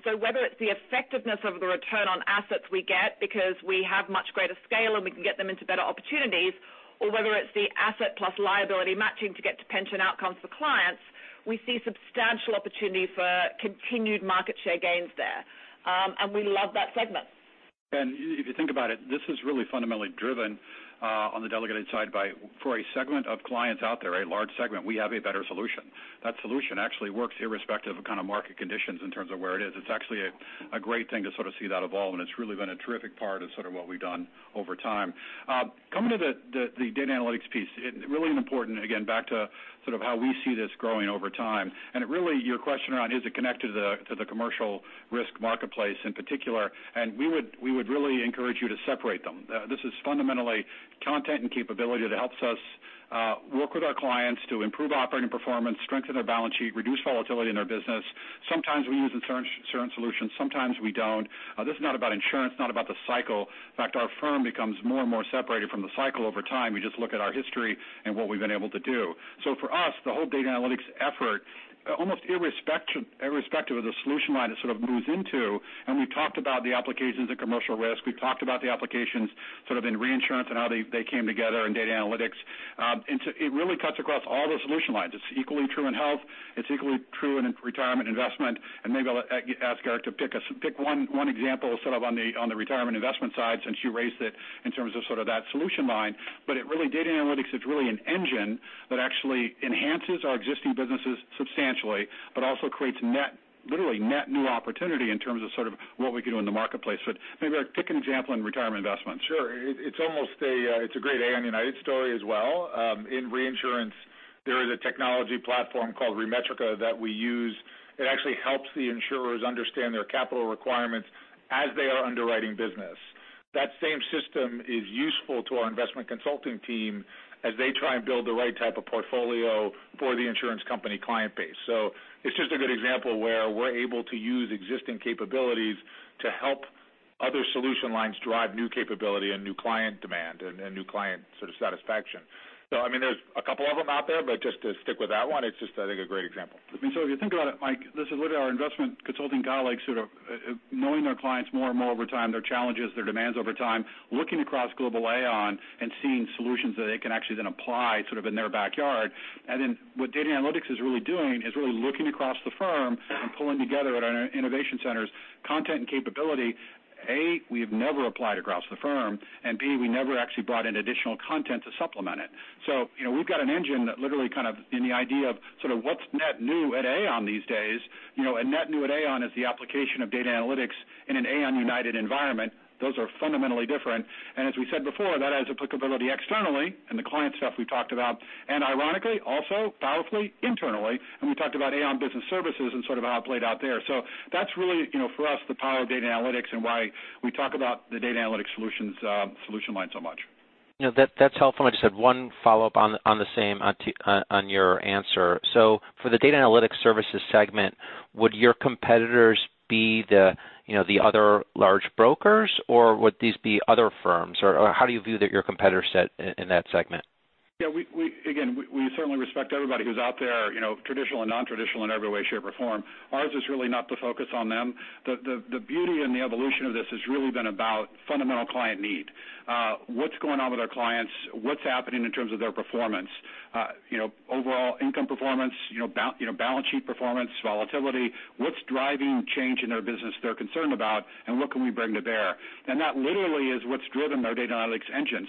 Whether it's the effectiveness of the return on assets we get because we have much greater scale, we can get them into better opportunities, or whether it's the asset plus liability matching to get to pension outcomes for clients, we see substantial opportunity for continued market share gains there. We love that segment. If you think about it, this is really fundamentally driven on the delegated side for a segment of clients out there, a large segment, we have a better solution. That solution actually works irrespective of market conditions in terms of where it is. It's actually a great thing to see that evolve, and it's really been a terrific part of what we've done over time. Coming to the data analytics piece, really important, again, back to how we see this growing over time. Really, your question around is it connected to the commercial risk marketplace in particular? We would really encourage you to separate them. This is fundamentally content and capability that helps us work with our clients to improve operating performance, strengthen their balance sheet, reduce volatility in their business. Sometimes we use insurance solutions, sometimes we don't. This is not about insurance, not about the cycle. In fact, our firm becomes more and more separated from the cycle over time. We just look at our history and what we've been able to do. For us, the whole data analytics effort, almost irrespective of the solution line it moves into, and we've talked about the applications in commercial risk, we've talked about the applications in reinsurance and how they came together in data analytics. It really cuts across all the solution lines. It's equally true in health, it's equally true in retirement investment. Maybe I'll ask Eric to pick one example on the retirement investment side since you raised it in terms of that solution line. Data analytics is really an engine that actually enhances our existing businesses substantially, but also creates literally net new opportunity in terms of what we can do in the marketplace. Maybe, Eric, pick an example in retirement investment. Sure. It's a great Aon United story as well. In reinsurance there is a technology platform called ReMetrica that we use. It actually helps the insurers understand their capital requirements as they are underwriting business. That same system is useful to our investment consulting team as they try and build the right type of portfolio for the insurance company client base. It's just a good example where we're able to use existing capabilities to help other solution lines drive new capability and new client demand and new client satisfaction. There's a couple of them out there, but just to stick with that one, it's just, I think, a great example. If you think about it, Mike, this is literally our investment consulting guy knowing their clients more and more over time, their challenges, their demands over time, looking across global Aon and seeing solutions that they can actually then apply in their backyard. What data analytics is really doing is really looking across the firm and pulling together at our innovation centers content and capability, A, we have never applied across the firm, and B, we never actually brought in additional content to supplement it. We've got an engine that literally in the idea of what's net new at Aon these days, and net new at Aon is the application of data analytics in an Aon United environment. Those are fundamentally different. As we said before, that has applicability externally in the client stuff we talked about, and ironically, also powerfully internally, and we talked about Aon Business Services and how it played out there. That's really, for us, the power of data analytics and why we talk about the data analytics solution line so much. That's helpful. I just have one follow-up on the same on your answer. For the data analytics services segment, would your competitors be the other large brokers, or would these be other firms? How do you view your competitor set in that segment? Again, we certainly respect everybody who's out there traditional and non-traditional in every way, shape, or form. Ours is really not to focus on them. The beauty in the evolution of this has really been about fundamental client need. What's going on with our clients? What's happening in terms of their performance? Overall income performance, balance sheet performance, volatility. What's driving change in their business they're concerned about, and what can we bring to bear? That literally is what's driven our data analytics engine.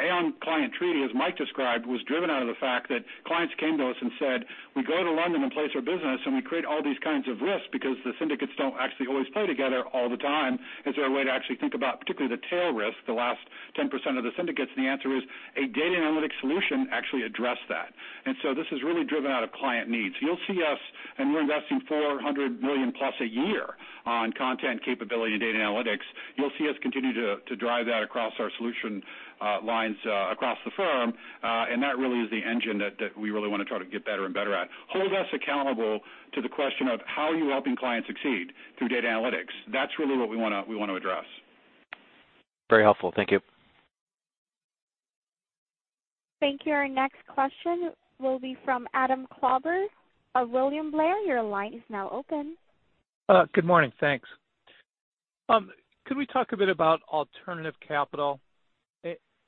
Aon Client Treaty, as Mike described, was driven out of the fact that clients came to us and said, "We go to London and place our business, and we create all these kinds of risks because the syndicates don't actually always play together all the time. Is there a way to actually think about particularly the tail risk, the last 10% of the syndicates? The answer is a data analytics solution actually addressed that. This is really driven out of client needs. You'll see us, and we're investing $400 million-plus a year on content capability and data analytics. You'll see us continue to drive that across our solution lines across the firm. That really is the engine that we really want to try to get better and better at. Hold us accountable to the question of how are you helping clients succeed through data analytics? That's really what we want to address. Very helpful. Thank you. Thank you. Our next question will be from Adam Klauber of William Blair. Your line is now open. Good morning. Thanks. Can we talk a bit about alternative capital?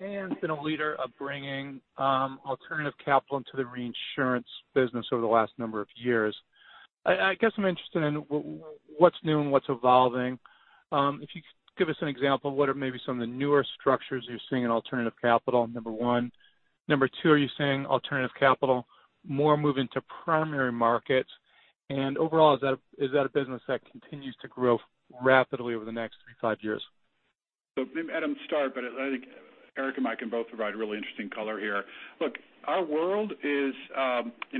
Aon's been a leader of bringing alternative capital into the reinsurance business over the last number of years. I guess I'm interested in what's new and what's evolving. If you could give us an example of what are maybe some of the newer structures you're seeing in alternative capital, number one. Number two, are you seeing alternative capital more move into primary markets? Overall, is that a business that continues to grow rapidly over the next three, five years? Adam, start, but I think Eric and Mike can both provide really interesting color here.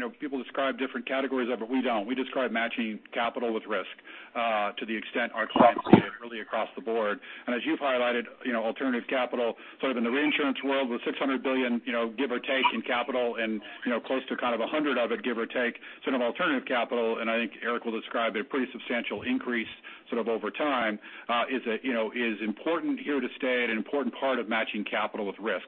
Look, people describe different categories of it, we don't. We describe matching capital with risk to the extent our clients need it really across the board. As you've highlighted, alternative capital in the reinsurance world with $600 billion, give or take in capital and close to kind of $100 of it, give or take, alternative capital, and I think Eric will describe a pretty substantial increase over time is important here to stay and an important part of matching capital with risk.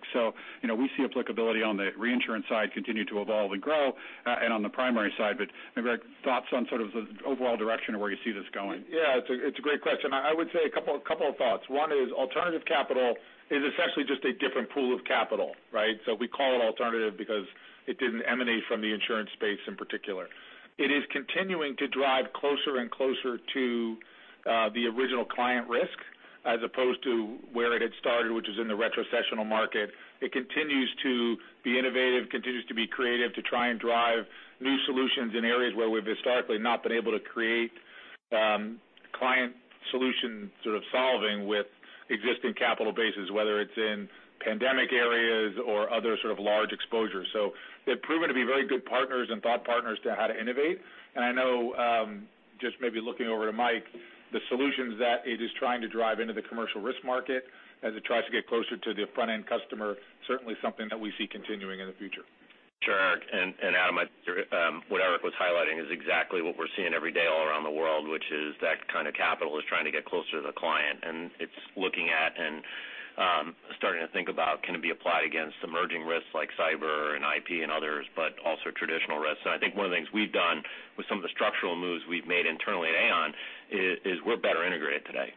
We see applicability on the reinsurance side continue to evolve and grow and on the primary side. Maybe, Eric, thoughts on sort of the overall direction of where you see this going. It's a great question. I would say a couple of thoughts. One is alternative capital is essentially just a different pool of capital, right? We call it alternative because it didn't emanate from the insurance space in particular. It is continuing to drive closer and closer to the original client risk as opposed to where it had started, which is in the retrocessional market. It continues to be innovative, continues to be creative, to try and drive new solutions in areas where we've historically not been able to create client solution sort of solving with existing capital bases, whether it's in pandemic areas or other sort of large exposures. They've proven to be very good partners and thought partners to how to innovate. I know, just maybe looking over to Mike, the solutions that it is trying to drive into the commercial risk market as it tries to get closer to the front-end customer, certainly something that we see continuing in the future. Sure, Eric. Adam, what Eric was highlighting is exactly what we're seeing every day all around the world, which is that kind of capital is trying to get closer to the client, and it's looking at and starting to think about can it be applied against emerging risks like cyber and IP and others, but also traditional risks. I think one of the things we've done with some of the structural moves we've made internally at Aon is we're better integrated today.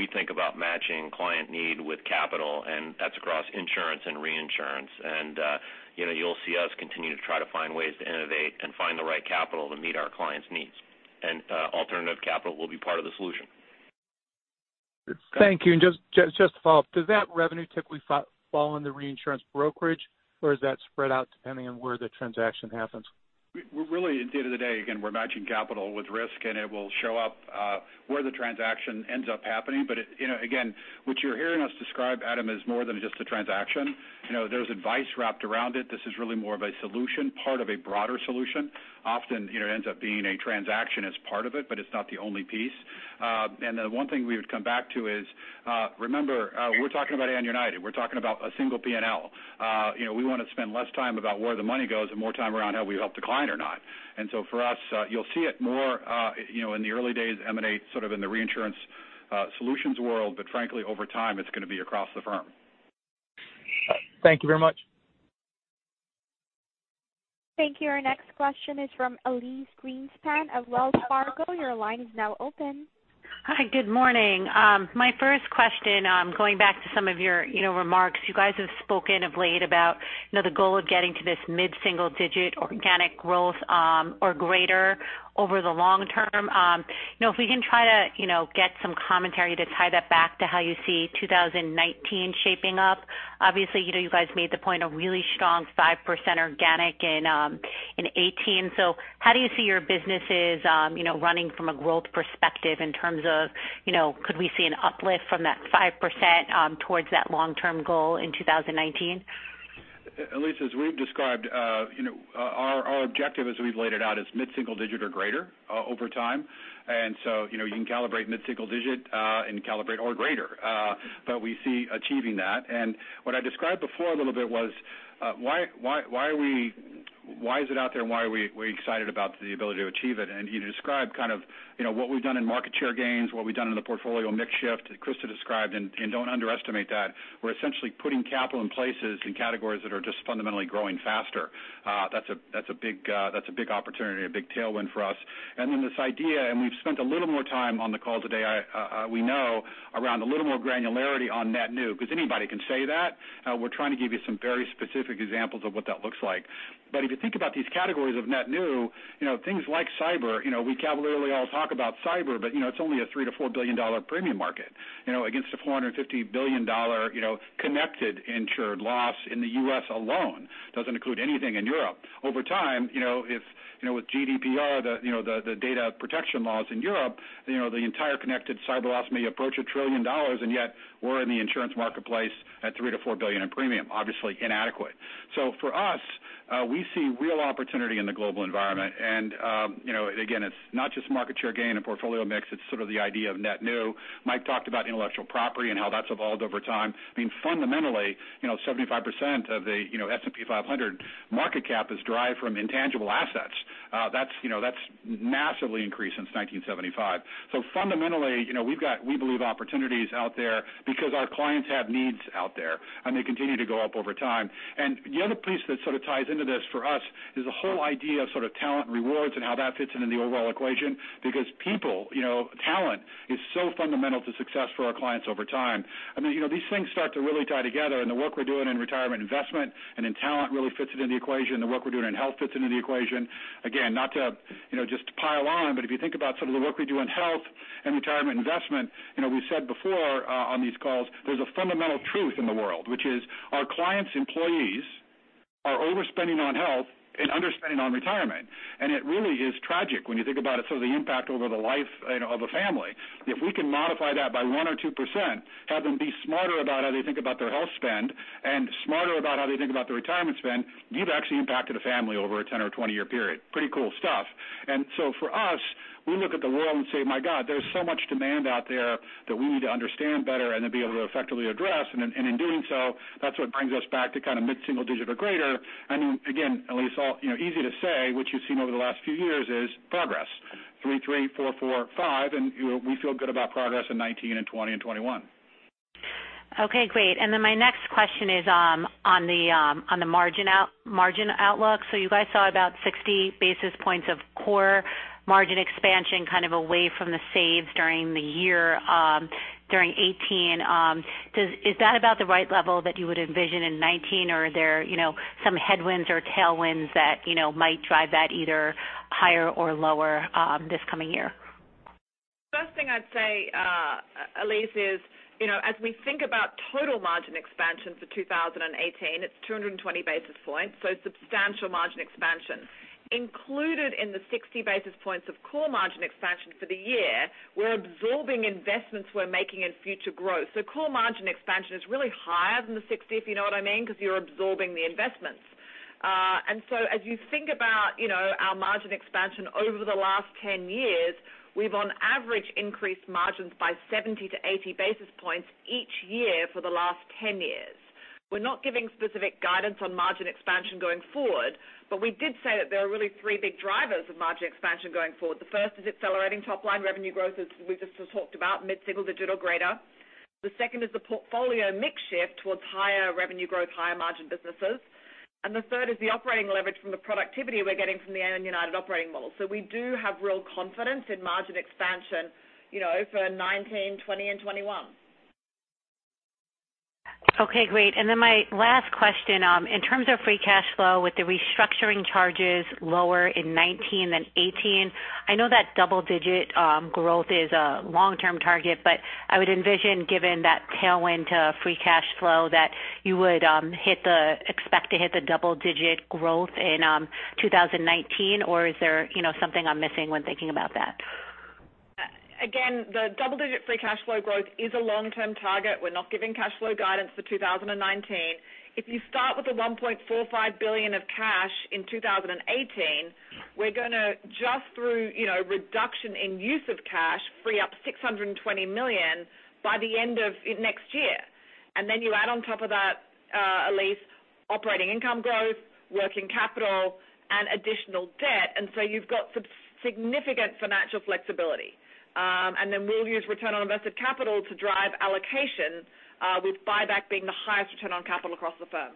We think about matching client need with capital, and that's across insurance and reinsurance. You'll see us continue to try to find ways to innovate and find the right capital to meet our clients' needs. Alternative capital will be part of the solution. Thank you. Just to follow up, does that revenue typically fall under reinsurance brokerage, or is that spread out depending on where the transaction happens? At the end of the day, again, we're matching capital with risk, it will show up where the transaction ends up happening. Again, what you're hearing us describe, Adam, is more than just a transaction. There's advice wrapped around it. This is really more of a solution, part of a broader solution. Often, it ends up being a transaction as part of it, but it's not the only piece. The one thing we would come back to is, remember, we're talking about Aon United. We're talking about a single P&L. We want to spend less time about where the money goes and more time around have we helped the client or not. For us, you'll see it more in the early days emanate sort of in the reinsurance solutions world. Frankly, over time, it's going to be across the firm. Thank you very much. Thank you. Our next question is from Elyse Greenspan of Wells Fargo. Your line is now open. Hi, good morning. My first question, going back to some of your remarks, you guys have spoken of late about the goal of getting to this mid-single digit organic growth or greater over the long term. If we can try to get some commentary to tie that back to how you see 2019 shaping up. Obviously, you guys made the point, a really strong 5% organic in 2018. How do you see your businesses running from a growth perspective in terms of could we see an uplift from that 5% towards that long-term goal in 2019? Elyse, as we've described, our objective as we've laid it out is mid-single digit or greater over time. You can calibrate mid-single digit and calibrate or greater. We see achieving that. What I described before a little bit was why is it out there and why are we excited about the ability to achieve it? You described kind of what we've done in market share gains, what we've done in the portfolio mix shift that Christa described, don't underestimate that. We're essentially putting capital in places, in categories that are just fundamentally growing faster. That's a big opportunity, a big tailwind for us. Then this idea, and we've spent a little more time on the call today, we know around a little more granularity on net new, because anybody can say that. We're trying to give you some very specific examples of what that looks like. If you think about these categories of net new, things like cyber, we cavalierly all talk about cyber, but it's only a $3 billion-$4 billion premium market against a $450 billion connected insured loss in the U.S. alone. Doesn't include anything in Europe. Over time, with GDPR, the data protection laws in Europe, the entire connected cyber loss may approach $1 trillion, and yet we're in the insurance marketplace at $3 billion-$4 billion in premium, obviously inadequate. For us, we see real opportunity in the global environment. Again, it's not just market share gain and portfolio mix, it's sort of the idea of net new. Mike talked about intellectual property and how that's evolved over time. I mean, fundamentally, 75% of the S&P 500 market cap is derived from intangible assets. That's massively increased since 1975. Fundamentally, we believe opportunities out there because our clients have needs out there, they continue to go up over time. The other piece that sort of ties into this for us is the whole idea of sort of talent and rewards and how that fits into the overall equation. People, talent is so fundamental to success for our clients over time. I mean, these things start to really tie together. The work we're doing in retirement investment and in talent really fits into the equation. The work we're doing in health fits into the equation. Not to just pile on, but if you think about some of the work we do in health and retirement investment, we've said before on these calls, there's a fundamental truth in the world, which is our clients' employees are overspending on health and underspending on retirement. It really is tragic when you think about it, so the impact over the life of a family. If we can modify that by 1% or 2%, have them be smarter about how they think about their health spend and smarter about how they think about their retirement spend, you've actually impacted a family over a 10 or 20 year period. Pretty cool stuff. For us, we look at the world and say, "My God, there's so much demand out there that we need to understand better and then be able to effectively address." In doing so, that's what brings us back to kind of mid-single digit or greater. I mean, again, Elyse, easy to say, what you've seen over the last few years is progress. Three, four, five, and we feel good about progress in 2019 and 2020 and 2021. Okay, great. My next question is on the margin outlook. You guys saw about 60 basis points of core margin expansion kind of away from the saves during the year, during 2018. Is that about the right level that you would envision in 2019? Are there some headwinds or tailwinds that might drive that either higher or lower this coming year? First thing I'd say, Elyse, is as we think about total margin expansion for 2018, it's 220 basis points, so substantial margin expansion. Included in the 60 basis points of core margin expansion for the year, we're absorbing investments we're making in future growth. Core margin expansion is really higher than the 60, if you know what I mean, because you're absorbing the investments. As you think about our margin expansion over the last 10 years, we've on average increased margins by 70 to 80 basis points each year for the last 10 years. We're not giving specific guidance on margin expansion going forward, we did say that there are really three big drivers of margin expansion going forward. The first is accelerating top line revenue growth, as we just talked about, mid-single digit or greater. The second is the portfolio mix shift towards higher revenue growth, higher margin businesses. The third is the operating leverage from the productivity we're getting from the Aon United operating model. We do have real confidence in margin expansion for 2019, 2020, and 2021. Okay, great. My last question, in terms of free cash flow with the restructuring charges lower in 2019 than 2018, I know that double-digit growth is a long-term target, I would envision given that tailwind to free cash flow that you would expect to hit the double-digit growth in 2019, or is there something I'm missing when thinking about that? Again, the double-digit free cash flow growth is a long-term target. We're not giving cash flow guidance for 2019. If you start with the $1.45 billion of cash in 2018, we're going to, just through reduction in use of cash, free up $620 million by the end of next year. You add on top of that, Elyse, operating income growth, working capital, and additional debt. You've got some significant financial flexibility. We'll use return on invested capital to drive allocations, with buyback being the highest return on capital across the firm.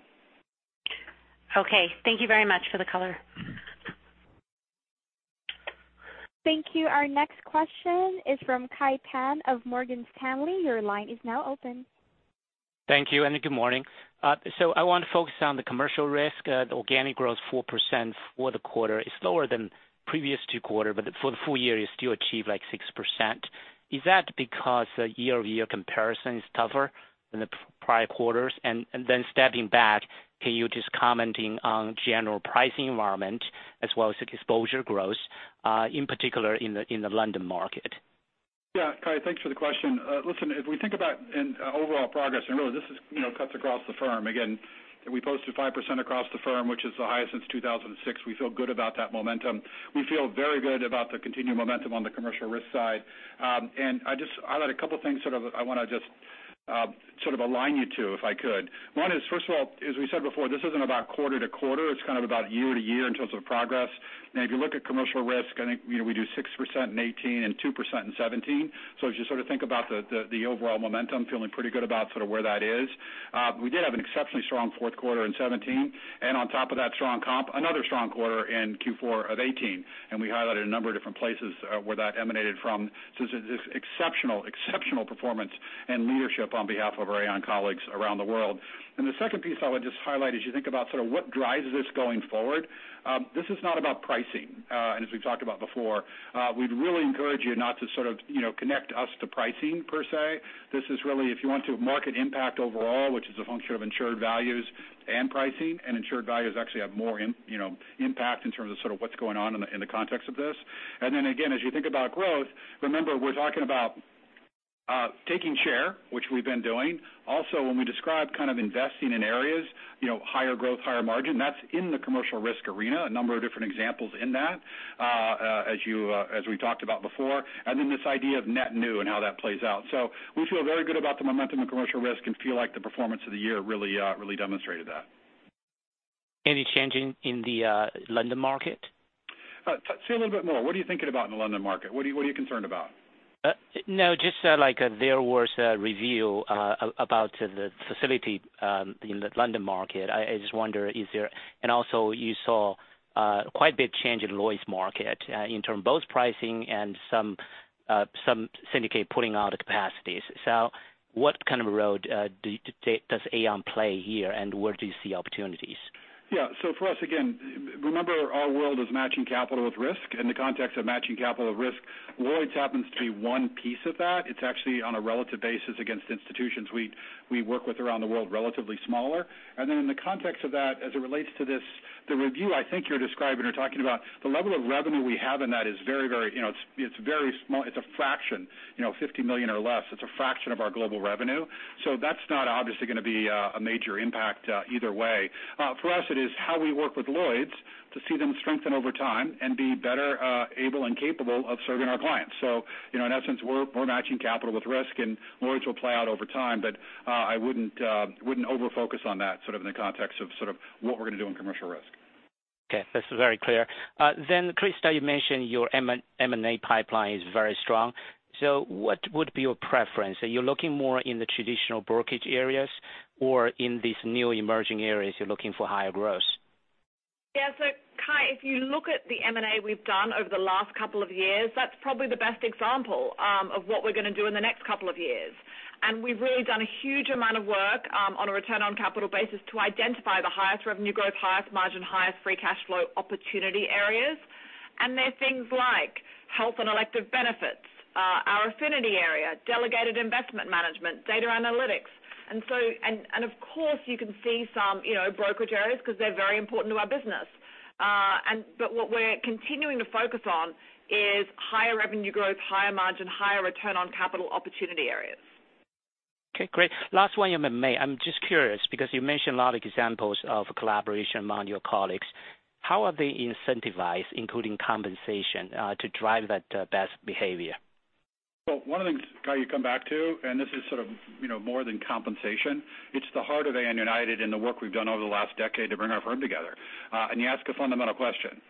Okay. Thank you very much for the color. Thank you. Our next question is from Kai Pan of Morgan Stanley. Your line is now open. Thank you. Good morning. I want to focus on the commercial risk. The organic growth 4% for the quarter is lower than previous two quarter, but for the full year, you still achieve like 6%. Is that because the year-over-year comparison is tougher than the prior quarters? Stepping back, can you just comment on general pricing environment as well as the exposure growth, in particular in the London market? Kai, thanks for the question. Listen, if we think about in overall progress, really this cuts across the firm, again, we posted 5% across the firm, which is the highest since 2006. We feel good about that momentum. We feel very good about the continued momentum on the commercial risk side. I just highlight a couple things sort of I want to just sort of align you to, if I could. One is, first of all, as we said before, this isn't about quarter to quarter, it's kind of about year to year in terms of progress. If you look at commercial risk, I think we do 6% in 2018 and 2% in 2017. As you sort of think about the overall momentum, feeling pretty good about sort of where that is. We did have an exceptionally strong fourth quarter in 2017. On top of that strong comp, another strong quarter in Q4 of 2018, we highlighted a number of different places where that emanated from. It's exceptional performance and leadership on behalf of our Aon colleagues around the world. The second piece I would just highlight as you think about sort of what drives this going forward, this is not about pricing. As we've talked about before, we'd really encourage you not to sort of connect us to pricing per se. This is really, if you want to market impact overall, which is a function of insured values and pricing, and insured values actually have more impact in terms of sort of what's going on in the context of this. Again, as you think about growth, remember we're talking about taking share, which we've been doing. Also when we describe kind of investing in areas, higher growth, higher margin, that's in the commercial risk arena. A number of different examples in that as we talked about before. This idea of net new and how that plays out. We feel very good about the momentum in commercial risk and feel like the performance of the year really demonstrated that. Any change in the London market? Say a little bit more. What are you thinking about in the London market? What are you concerned about? No, just like there was a review about the facility in the London market. You saw quite a big change in Lloyd's market in term both pricing and some syndicate pulling out capacities. What kind of a role does Aon play here, and where do you see opportunities? For us, again, remember our world is matching capital with risk. In the context of matching capital with risk, Lloyd's happens to be one piece of that. It's actually on a relative basis against institutions we work with around the world, relatively smaller. In the context of that, as it relates to this, the review I think you're describing or talking about, the level of revenue we have in that is very small. It's a fraction, $50 million or less. It's a fraction of our global revenue. That's not obviously going to be a major impact either way. For us, it is how we work with Lloyd's to see them strengthen over time and be better able and capable of serving our clients. In essence, we're matching capital with risk, and Lloyd's will play out over time, but I wouldn't over-focus on that sort of in the context of sort of what we're going to do in commercial risk. That's very clear. Christa, you mentioned your M&A pipeline is very strong. What would be your preference? Are you looking more in the traditional brokerage areas or in these new emerging areas you're looking for higher growth? Kai, if you look at the M&A we've done over the last couple of years, that's probably the best example of what we're going to do in the next couple of years. We've really done a huge amount of work on a return on capital basis to identify the highest revenue growth, highest margin, highest free cash flow opportunity areas. They're things like health and elective benefits, our affinity area, delegated investment management, data analytics. Of course, you can see some brokerage areas because they're very important to our business. What we're continuing to focus on is higher revenue growth, higher margin, higher return on capital opportunity areas. Okay, great. Last one on M&A. I'm just curious because you mentioned a lot of examples of collaboration among your colleagues. How are they incentivized, including compensation to drive that best behavior? One of the things, Kai, you come back to, and this is sort of more than compensation, it's the heart of Aon United and the work we've done over the last decade to bring our firm together. You ask a fundamental question.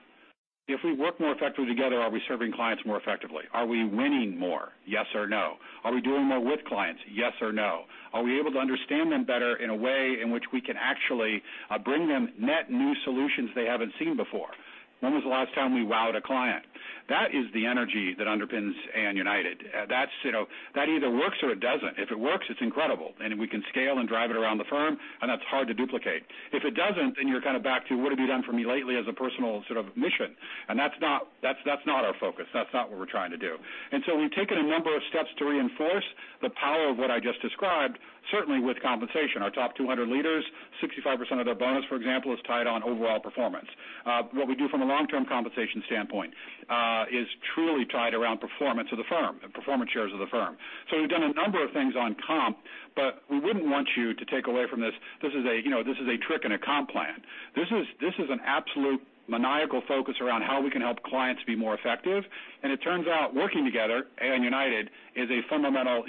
If we work more effectively together, are we serving clients more effectively? Are we winning more, yes or no? Are we doing more with clients, yes or no? Are we able to understand them better in a way in which we can actually bring them net new solutions they haven't seen before? When was the last time we wowed a client? That is the energy that underpins Aon United. That either works or it doesn't. If it works, it's incredible, and we can scale and drive it around the firm and that's hard to duplicate. If it doesn't, then you're kind of back to what have you done for me lately as a personal sort of mission, and that's not our focus. That's not what we're trying to do. The power of what I just described, certainly with compensation. Our top 200 leaders, 65% of their bonus, for example, is tied on overall performance. What we do from a long-term compensation standpoint is truly tied around performance of the firm and performance shares of the firm. We've done a number of things on comp, but we wouldn't want you to take away from this is a trick and a comp plan. This is an absolute maniacal focus around how we can help clients be more effective, and it turns out working together, Aon United, is a fundamental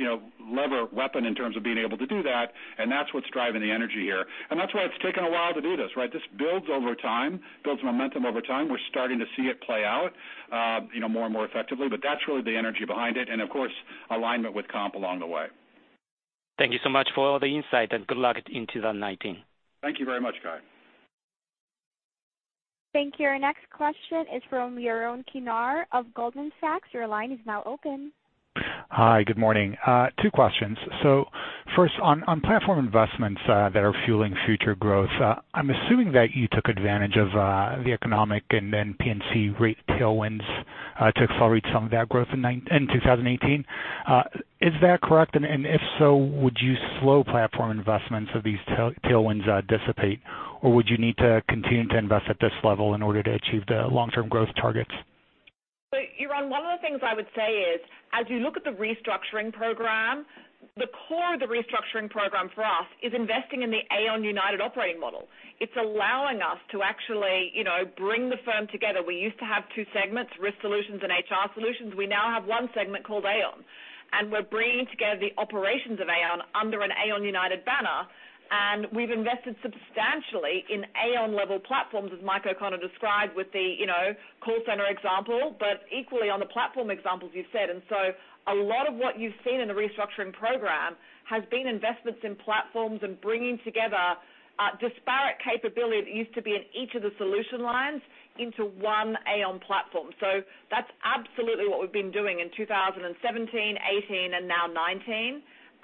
lever, weapon in terms of being able to do that, and that's what's driving the energy here. That's why it's taken a while to do this, right? This builds over time, builds momentum over time. We're starting to see it play out more and more effectively. That's really the energy behind it, and of course, alignment with comp along the way. Thank you so much for all the insight, and good luck in 2019. Thank you very much, Kai. Thank you. Our next question is from Yaron Kinar of Goldman Sachs. Your line is now open. Hi, good morning. Two questions. First on platform investments that are fueling future growth, I'm assuming that you took advantage of the economic and then P&C rate tailwinds to accelerate some of that growth in 2018. Is that correct? If so, would you slow platform investments if these tailwinds dissipate, or would you need to continue to invest at this level in order to achieve the long-term growth targets? Yaron, one of the things I would say is as you look at the restructuring program, the core of the restructuring program for us is investing in the Aon United operating model. It's allowing us to actually bring the firm together. We used to have two segments, risk solutions and HR solutions. We now have one segment called Aon, and we're bringing together the operations of Aon under an Aon United banner, and we've invested substantially in Aon-level platforms, as Michael O'Connor described with the call center example, but equally on the platform examples you've said. A lot of what you've seen in the restructuring program has been investments in platforms and bringing together disparate capability that used to be in each of the solution lines into one Aon platform. That's absolutely what we've been doing in 2017, 2018, and now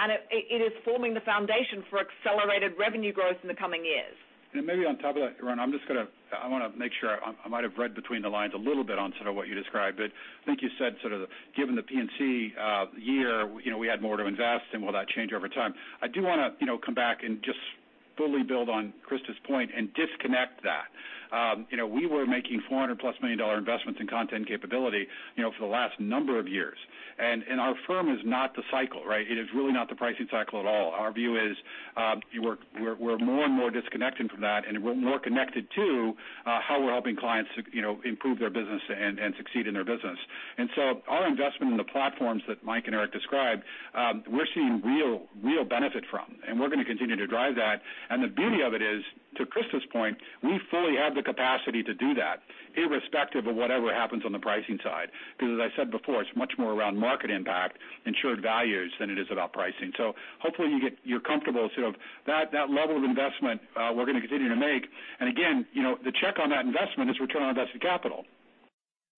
2019. It is forming the foundation for accelerated revenue growth in the coming years. Maybe on top of that, Yaron, I want to make sure, I might have read between the lines a little bit on sort of what you described, but I think you said sort of given the P&C year, we had more to invest and will that change over time? I do want to come back and just fully build on Christa's point and disconnect that. We were making $400-plus million investments in content capability for the last number of years. Our firm is not the cycle, right? It is really not the pricing cycle at all. Our view is we're more and more disconnected from that, and we're more connected to how we're helping clients improve their business and succeed in their business. Our investment in the platforms that Mike and Eric described, we're seeing real benefit from. We're going to continue to drive that. The beauty of it is, to Christa's point, we fully have the capacity to do that irrespective of whatever happens on the pricing side. As I said before, it's much more around market impact, insured values than it is about pricing. Hopefully you're comfortable sort of that level of investment we're going to continue to make. Again, the check on that investment is return on invested capital.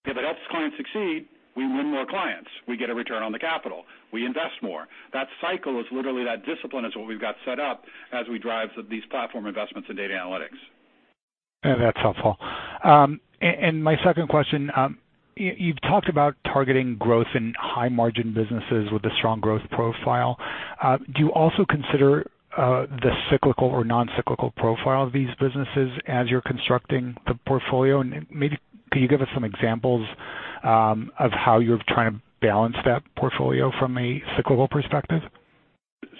If it helps clients succeed, we win more clients. We get a return on the capital. We invest more. That cycle is literally that discipline is what we've got set up as we drive these platform investments in data analytics. That's helpful. My second question, you've talked about targeting growth in high margin businesses with a strong growth profile. Do you also consider the cyclical or non-cyclical profile of these businesses as you're constructing the portfolio? Maybe could you give us some examples of how you're trying to balance that portfolio from a cyclical perspective?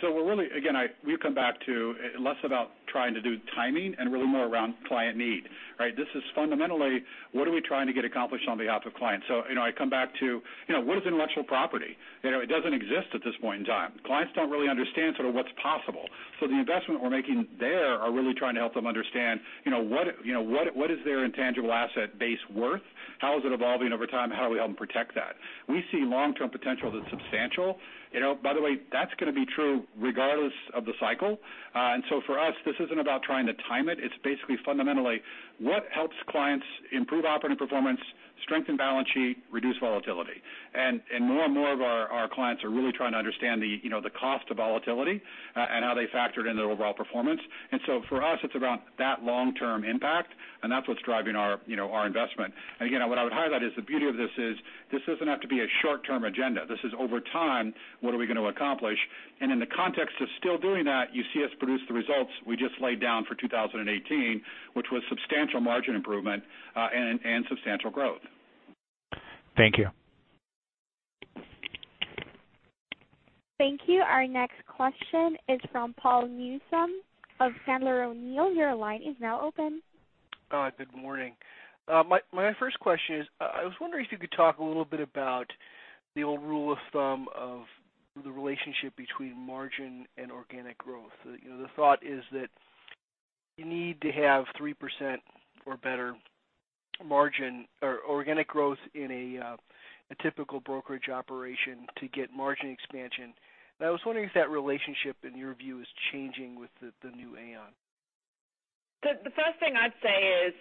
We're really, again, we come back to less about trying to do timing and really more around client need, right? This is fundamentally what are we trying to get accomplished on behalf of clients. I come back to what is intellectual property? It doesn't exist at this point in time. Clients don't really understand sort of what's possible. The investment we're making there are really trying to help them understand what is their intangible asset base worth? How is it evolving over time? How do we help them protect that? We see long-term potential that's substantial. By the way, that's going to be true regardless of the cycle. For us, this isn't about trying to time it's basically fundamentally what helps clients improve operating performance, strengthen balance sheet, reduce volatility. More and more of our clients are really trying to understand the cost of volatility and how they factor it into their overall performance. For us, it's about that long-term impact, and that's what's driving our investment. Again, what I would highlight is the beauty of this is this doesn't have to be a short-term agenda. This is over time, what are we going to accomplish? In the context of still doing that, you see us produce the results we just laid down for 2018, which was substantial margin improvement and substantial growth. Thank you. Thank you. Our next question is from Paul Newsome of Sandler O'Neill. Your line is now open. Good morning. My first question is, I was wondering if you could talk a little bit about the old rule of thumb of the relationship between margin and organic growth. The thought is that you need to have 3% or better margin or organic growth in a typical brokerage operation to get margin expansion. I was wondering if that relationship, in your view, is changing with the new Aon. The first thing I'd say is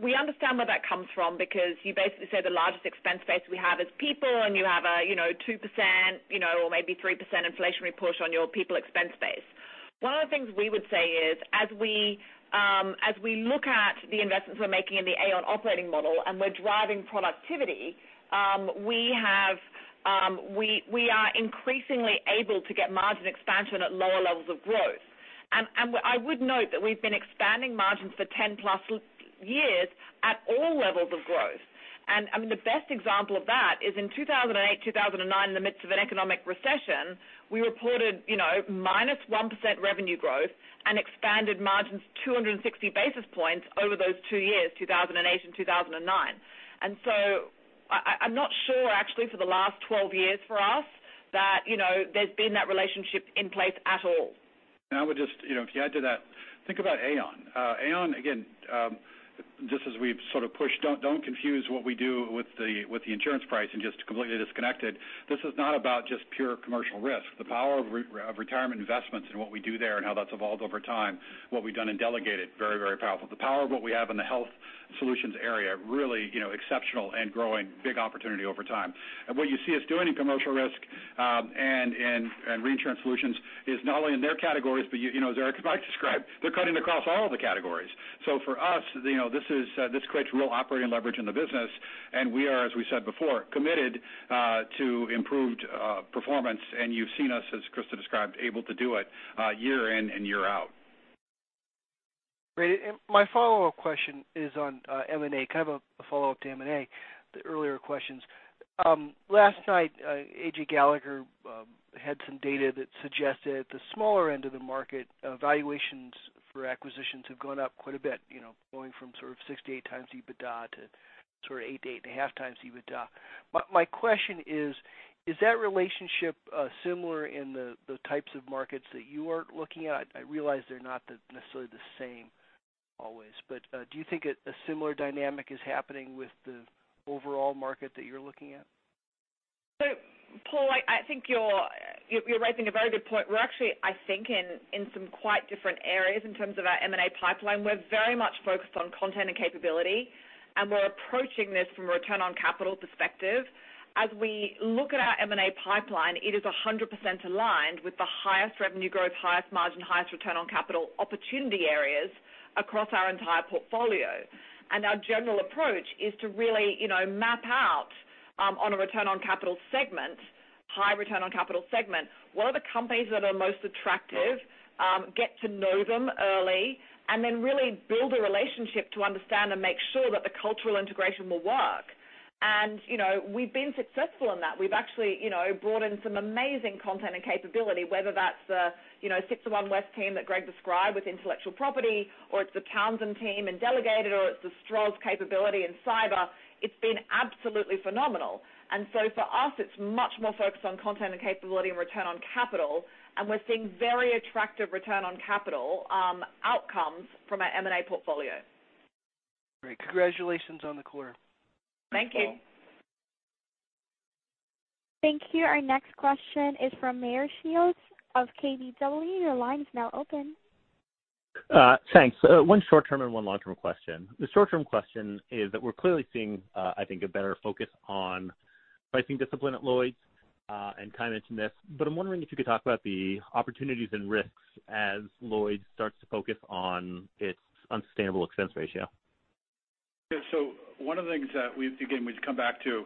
we understand where that comes from because you basically say the largest expense base we have is people, and you have a 2% or maybe 3% inflationary push on your people expense base. One of the things we would say is as we look at the investments we're making in the Aon operating model and we're driving productivity, we are increasingly able to get margin expansion at lower levels of growth. I would note that we've been expanding margins for 10 plus years at all levels of growth. The best example of that is in 2008, 2009, in the midst of an economic recession, we reported minus 1% revenue growth and expanded margins 260 basis points over those two years, 2008 and 2009. I'm not sure, actually, for the last 12 years for us that there's been that relationship in place at all. I would just, to add to that, think about Aon. Aon, again, just as we've sort of pushed, don't confuse what we do with the insurance price and just completely disconnect it. This is not about just pure commercial risk. The power of retirement investments and what we do there and how that's evolved over time, what we've done in Delegated, very powerful. The power of what we have in the health solutions area, really exceptional and growing, big opportunity over time. What you see us doing in commercial risk and reinsurance solutions is not only in their categories, but as Eric and Mike described, they're cutting across all of the categories. For us, this creates real operating leverage in the business, and we are, as we said before, committed to improved performance. You've seen us, as Christa described, able to do it year in and year out. Great. My follow-up question is on M&A, kind of a follow-up to M&A, the earlier questions. Last night, AJ Gallagher had some data that suggested at the smaller end of the market, valuations for acquisitions have gone up quite a bit, going from sort of 6 to 8 times EBITDA to sort of 8 to 8.5 times EBITDA. My question is that relationship similar in the types of markets that you are looking at? I realize they're not necessarily the same always, do you think a similar dynamic is happening with the overall market that you're looking at? Paul, I think you're raising a very good point. We're actually, I think, in some quite different areas in terms of our M&A pipeline. We're very much focused on content and capability, and we're approaching this from a return on capital perspective. As we look at our M&A pipeline, it is 100% aligned with the highest revenue growth, highest margin, highest return on capital opportunity areas across our entire portfolio. Our general approach is to really map out on a return on capital segment, high return on capital segment, what are the companies that are most attractive, get to know them early, and then really build a relationship to understand and make sure that the cultural integration will work. We've been successful in that. We've actually brought in some amazing content and capability, whether that's the 601West team that Greg described with intellectual property, or it's the Townsend team in Delegated, or it's the Stroz capability in cyber. It's been absolutely phenomenal. For us, it's much more focused on content and capability and return on capital. We're seeing very attractive return on capital outcomes from our M&A portfolio. Great. Congratulations on the quarter. Thank you. Thanks, Paul. Thank you. Our next question is from Meyer Shields of KBW. Your line is now open. Thanks. One short-term and one long-term question. The short-term question is that we're clearly seeing, I think, a better focus on pricing discipline at Lloyd's, and Kai mentioned this. I'm wondering if you could talk about the opportunities and risks as Lloyd's starts to focus on its unsustainable expense ratio. One of the things that we've, again, we come back to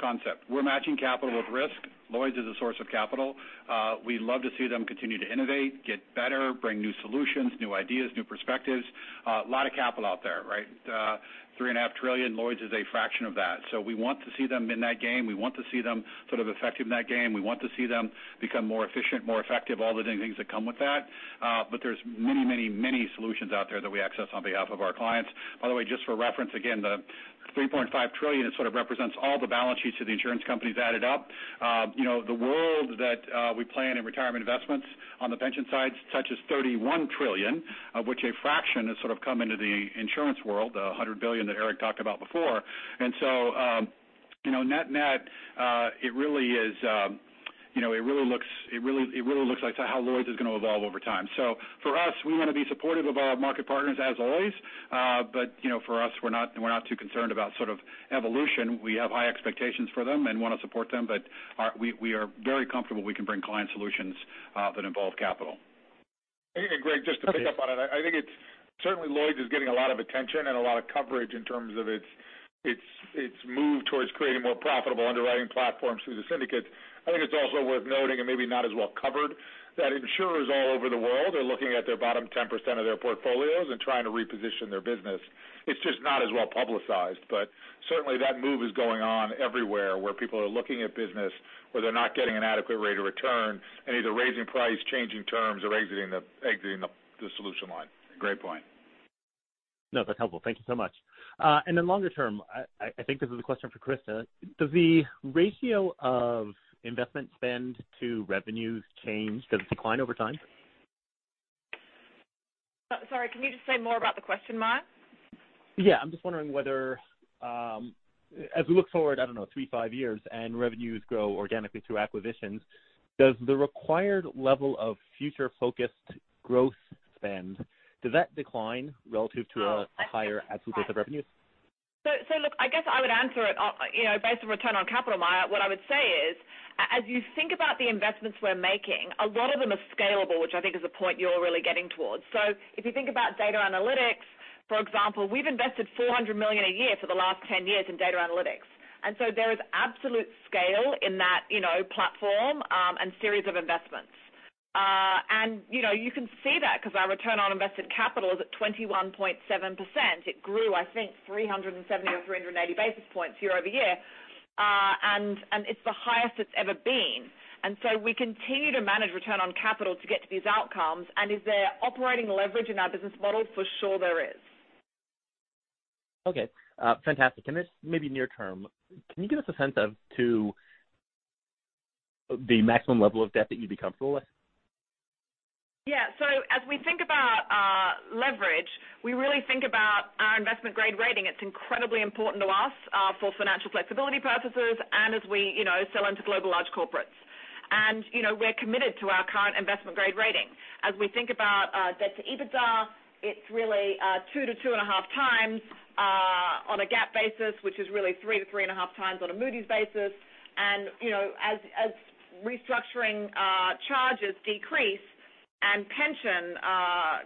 concept. We're matching capital with risk. Lloyd's is a source of capital. We love to see them continue to innovate, get better, bring new solutions, new ideas, new perspectives. A lot of capital out there, right? 3.5 trillion. Lloyd's is a fraction of that. We want to see them in that game. We want to see them sort of effective in that game. We want to see them become more efficient, more effective, all the things that come with that. There's many solutions out there that we access on behalf of our clients. By the way, just for reference, again, the 3.5 trillion sort of represents all the balance sheets of the insurance companies added up. The world that we play in retirement investments on the pension side, touches 31 trillion, of which a fraction has sort of come into the insurance world, the 100 billion that Eric talked about before. Net, it really looks like how Lloyd's is going to evolve over time. For us, we want to be supportive of our market partners as always. For us, we're not too concerned about sort of evolution. We have high expectations for them and want to support them, but we are very comfortable we can bring client solutions that involve capital. Greg, just to pick up on it, I think certainly Lloyd's is getting a lot of attention and a lot of coverage in terms of its move towards creating more profitable underwriting platforms through the syndicates. I think it's also worth noting, and maybe not as well covered, that insurers all over the world are looking at their bottom 10% of their portfolios and trying to reposition their business. It's just not as well publicized. Certainly that move is going on everywhere, where people are looking at business where they're not getting an adequate rate of return, and either raising price, changing terms, or exiting the solution line. Great point. No, that's helpful. Thank you so much. Then longer term, I think this is a question for Christa. Does the ratio of investment spend to revenues change? Does it decline over time? Sorry, can you just say more about the question, Meyer? Yeah. I'm just wondering whether, as we look forward, I don't know, three, five years, and revenues grow organically through acquisitions, does the required level of future-focused growth spend, does that decline relative to a higher absolute base of revenues? Look, I guess I would answer it based on return on capital, Meyer. What I would say is, as you think about the investments we're making, a lot of them are scalable, which I think is the point you're really getting towards. If you think about data analytics, for example, we've invested $400 million a year for the last 10 years in data analytics. There is absolute scale in that platform, and series of investments. You can see that because our return on invested capital is at 21.7%. It grew, I think, 370 or 380 basis points year-over-year. It's the highest it's ever been. We continue to manage return on capital to get to these outcomes. Is there operating leverage in our business model? For sure there is. Okay. Fantastic. This may be near term. Can you give us a sense of to the maximum level of debt that you'd be comfortable with? Yeah. As we think about leverage, we really think about our investment grade rating. It's incredibly important to us, for financial flexibility purposes and as we sell into global large corporates. We're committed to our current investment grade rating. As we think about debt to EBITDA, it's really 2 to 2.5 times on a GAAP basis, which is really 3 to 3.5 times on a Moody's basis. As restructuring charges decrease and pension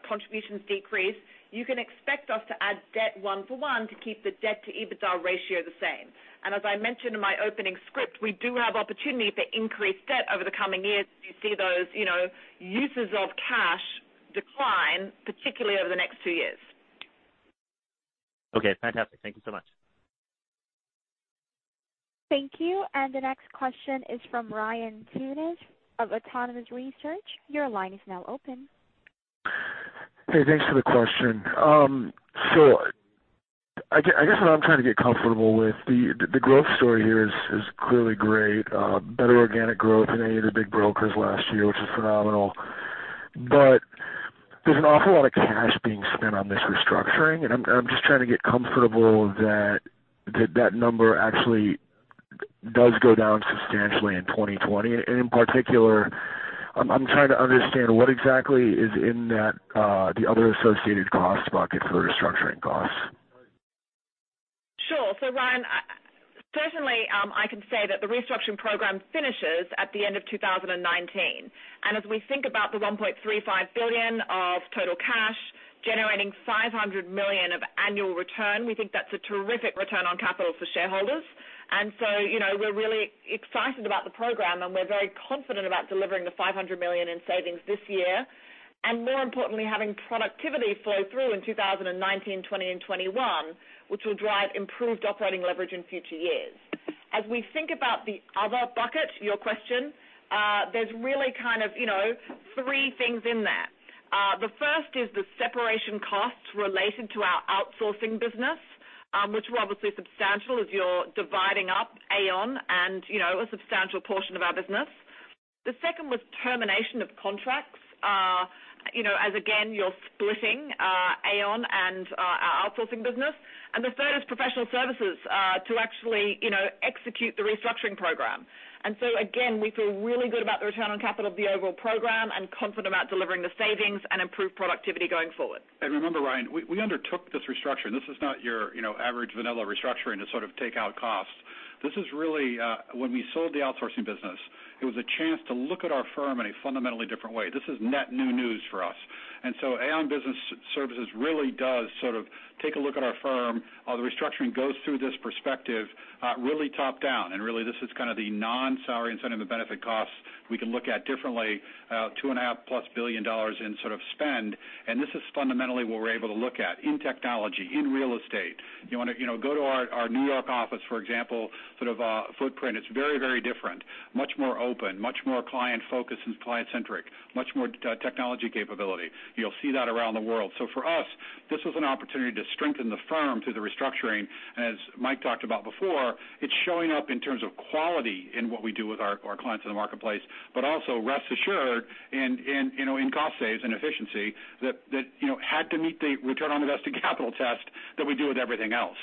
contributions decrease, you can expect us to add debt one for one to keep the debt to EBITDA ratio the same. As I mentioned in my opening script, we do have opportunity for increased debt over the coming years as you see those uses of cash decline, particularly over the next two years. Okay. Fantastic. Thank you so much. Thank you. The next question is from Ryan Tunis of Autonomous Research. Your line is now open. Hey, thanks for the question. I guess what I'm trying to get comfortable with, the growth story here is clearly great. Better organic growth than any of the big brokers last year, which is phenomenal. There's an awful lot of cash being spent on this restructuring, I'm just trying to get comfortable that that number actually does go down substantially in 2020. In particular, I'm trying to understand what exactly is in that, the other associated cost bucket for the restructuring costs. Sure. Ryan, certainly, I can say that the restructuring program finishes at the end of 2019. As we think about the $1.35 billion of total cash generating $500 million of annual return, we think that's a terrific return on capital for shareholders. We're really excited about the program, we're very confident about delivering the $500 million in savings this year. More importantly, having productivity flow through in 2019, 2020, and 2021, which will drive improved operating leverage in future years. As we think about the other bucket, your question, there's really three things in that. The first is the separation costs related to our outsourcing business, which were obviously substantial as you're dividing up Aon and a substantial portion of our business. The second was termination of contracts as, again, you're splitting Aon and our outsourcing business. The third is professional services to actually execute the restructuring program. Again, we feel really good about the return on capital of the overall program and confident about delivering the savings and improved productivity going forward. Remember, Ryan, we undertook this restructuring. This is not your average vanilla restructuring to sort of take out costs. This is really when we sold the outsourcing business, it was a chance to look at our firm in a fundamentally different way. This is net new news for us. Aon Business Services really does sort of take a look at our firm. The restructuring goes through this perspective really top-down. Really this is kind of the non-salary incentive and benefit costs we can look at differently, two and a half plus billion dollars in sort of spend. This is fundamentally what we're able to look at in technology, in real estate. Go to our New York office, for example, sort of footprint. It's very different. Much more open, much more client-focused and client-centric, much more technology capability. You'll see that around the world. For us, this was an opportunity to strengthen the firm through the restructuring. As Mike talked about before, it's showing up in terms of quality in what we do with our clients in the marketplace, but also rest assured in cost saves and efficiency that had to meet the return on invested capital test that we do with everything else.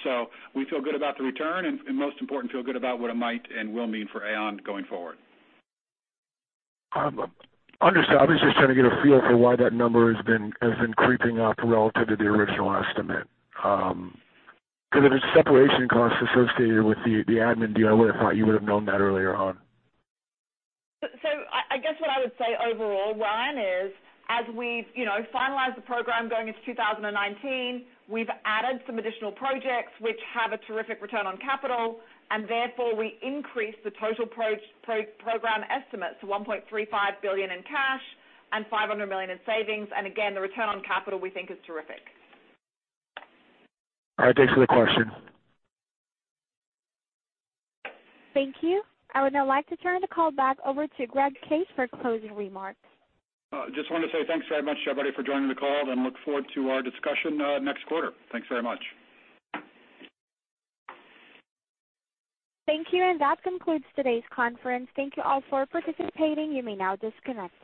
We feel good about the return and most important, feel good about what it might and will mean for Aon going forward. Understood. I was just trying to get a feel for why that number has been creeping up relative to the original estimate. Because if it's separation costs associated with the admin deal, I would've thought you would've known that earlier on. I guess what I would say overall, Ryan, is as we've finalized the program going into 2019, we've added some additional projects which have a terrific return on capital, and therefore we increased the total program estimate to $1.35 billion in cash and $500 million in savings. Again, the return on capital we think is terrific. All right. Thanks for the question. Thank you. I would now like to turn the call back over to Greg Case for closing remarks. Just want to say thanks very much, everybody, for joining the call and look forward to our discussion next quarter. Thanks very much. Thank you. That concludes today's conference. Thank you all for participating. You may now disconnect.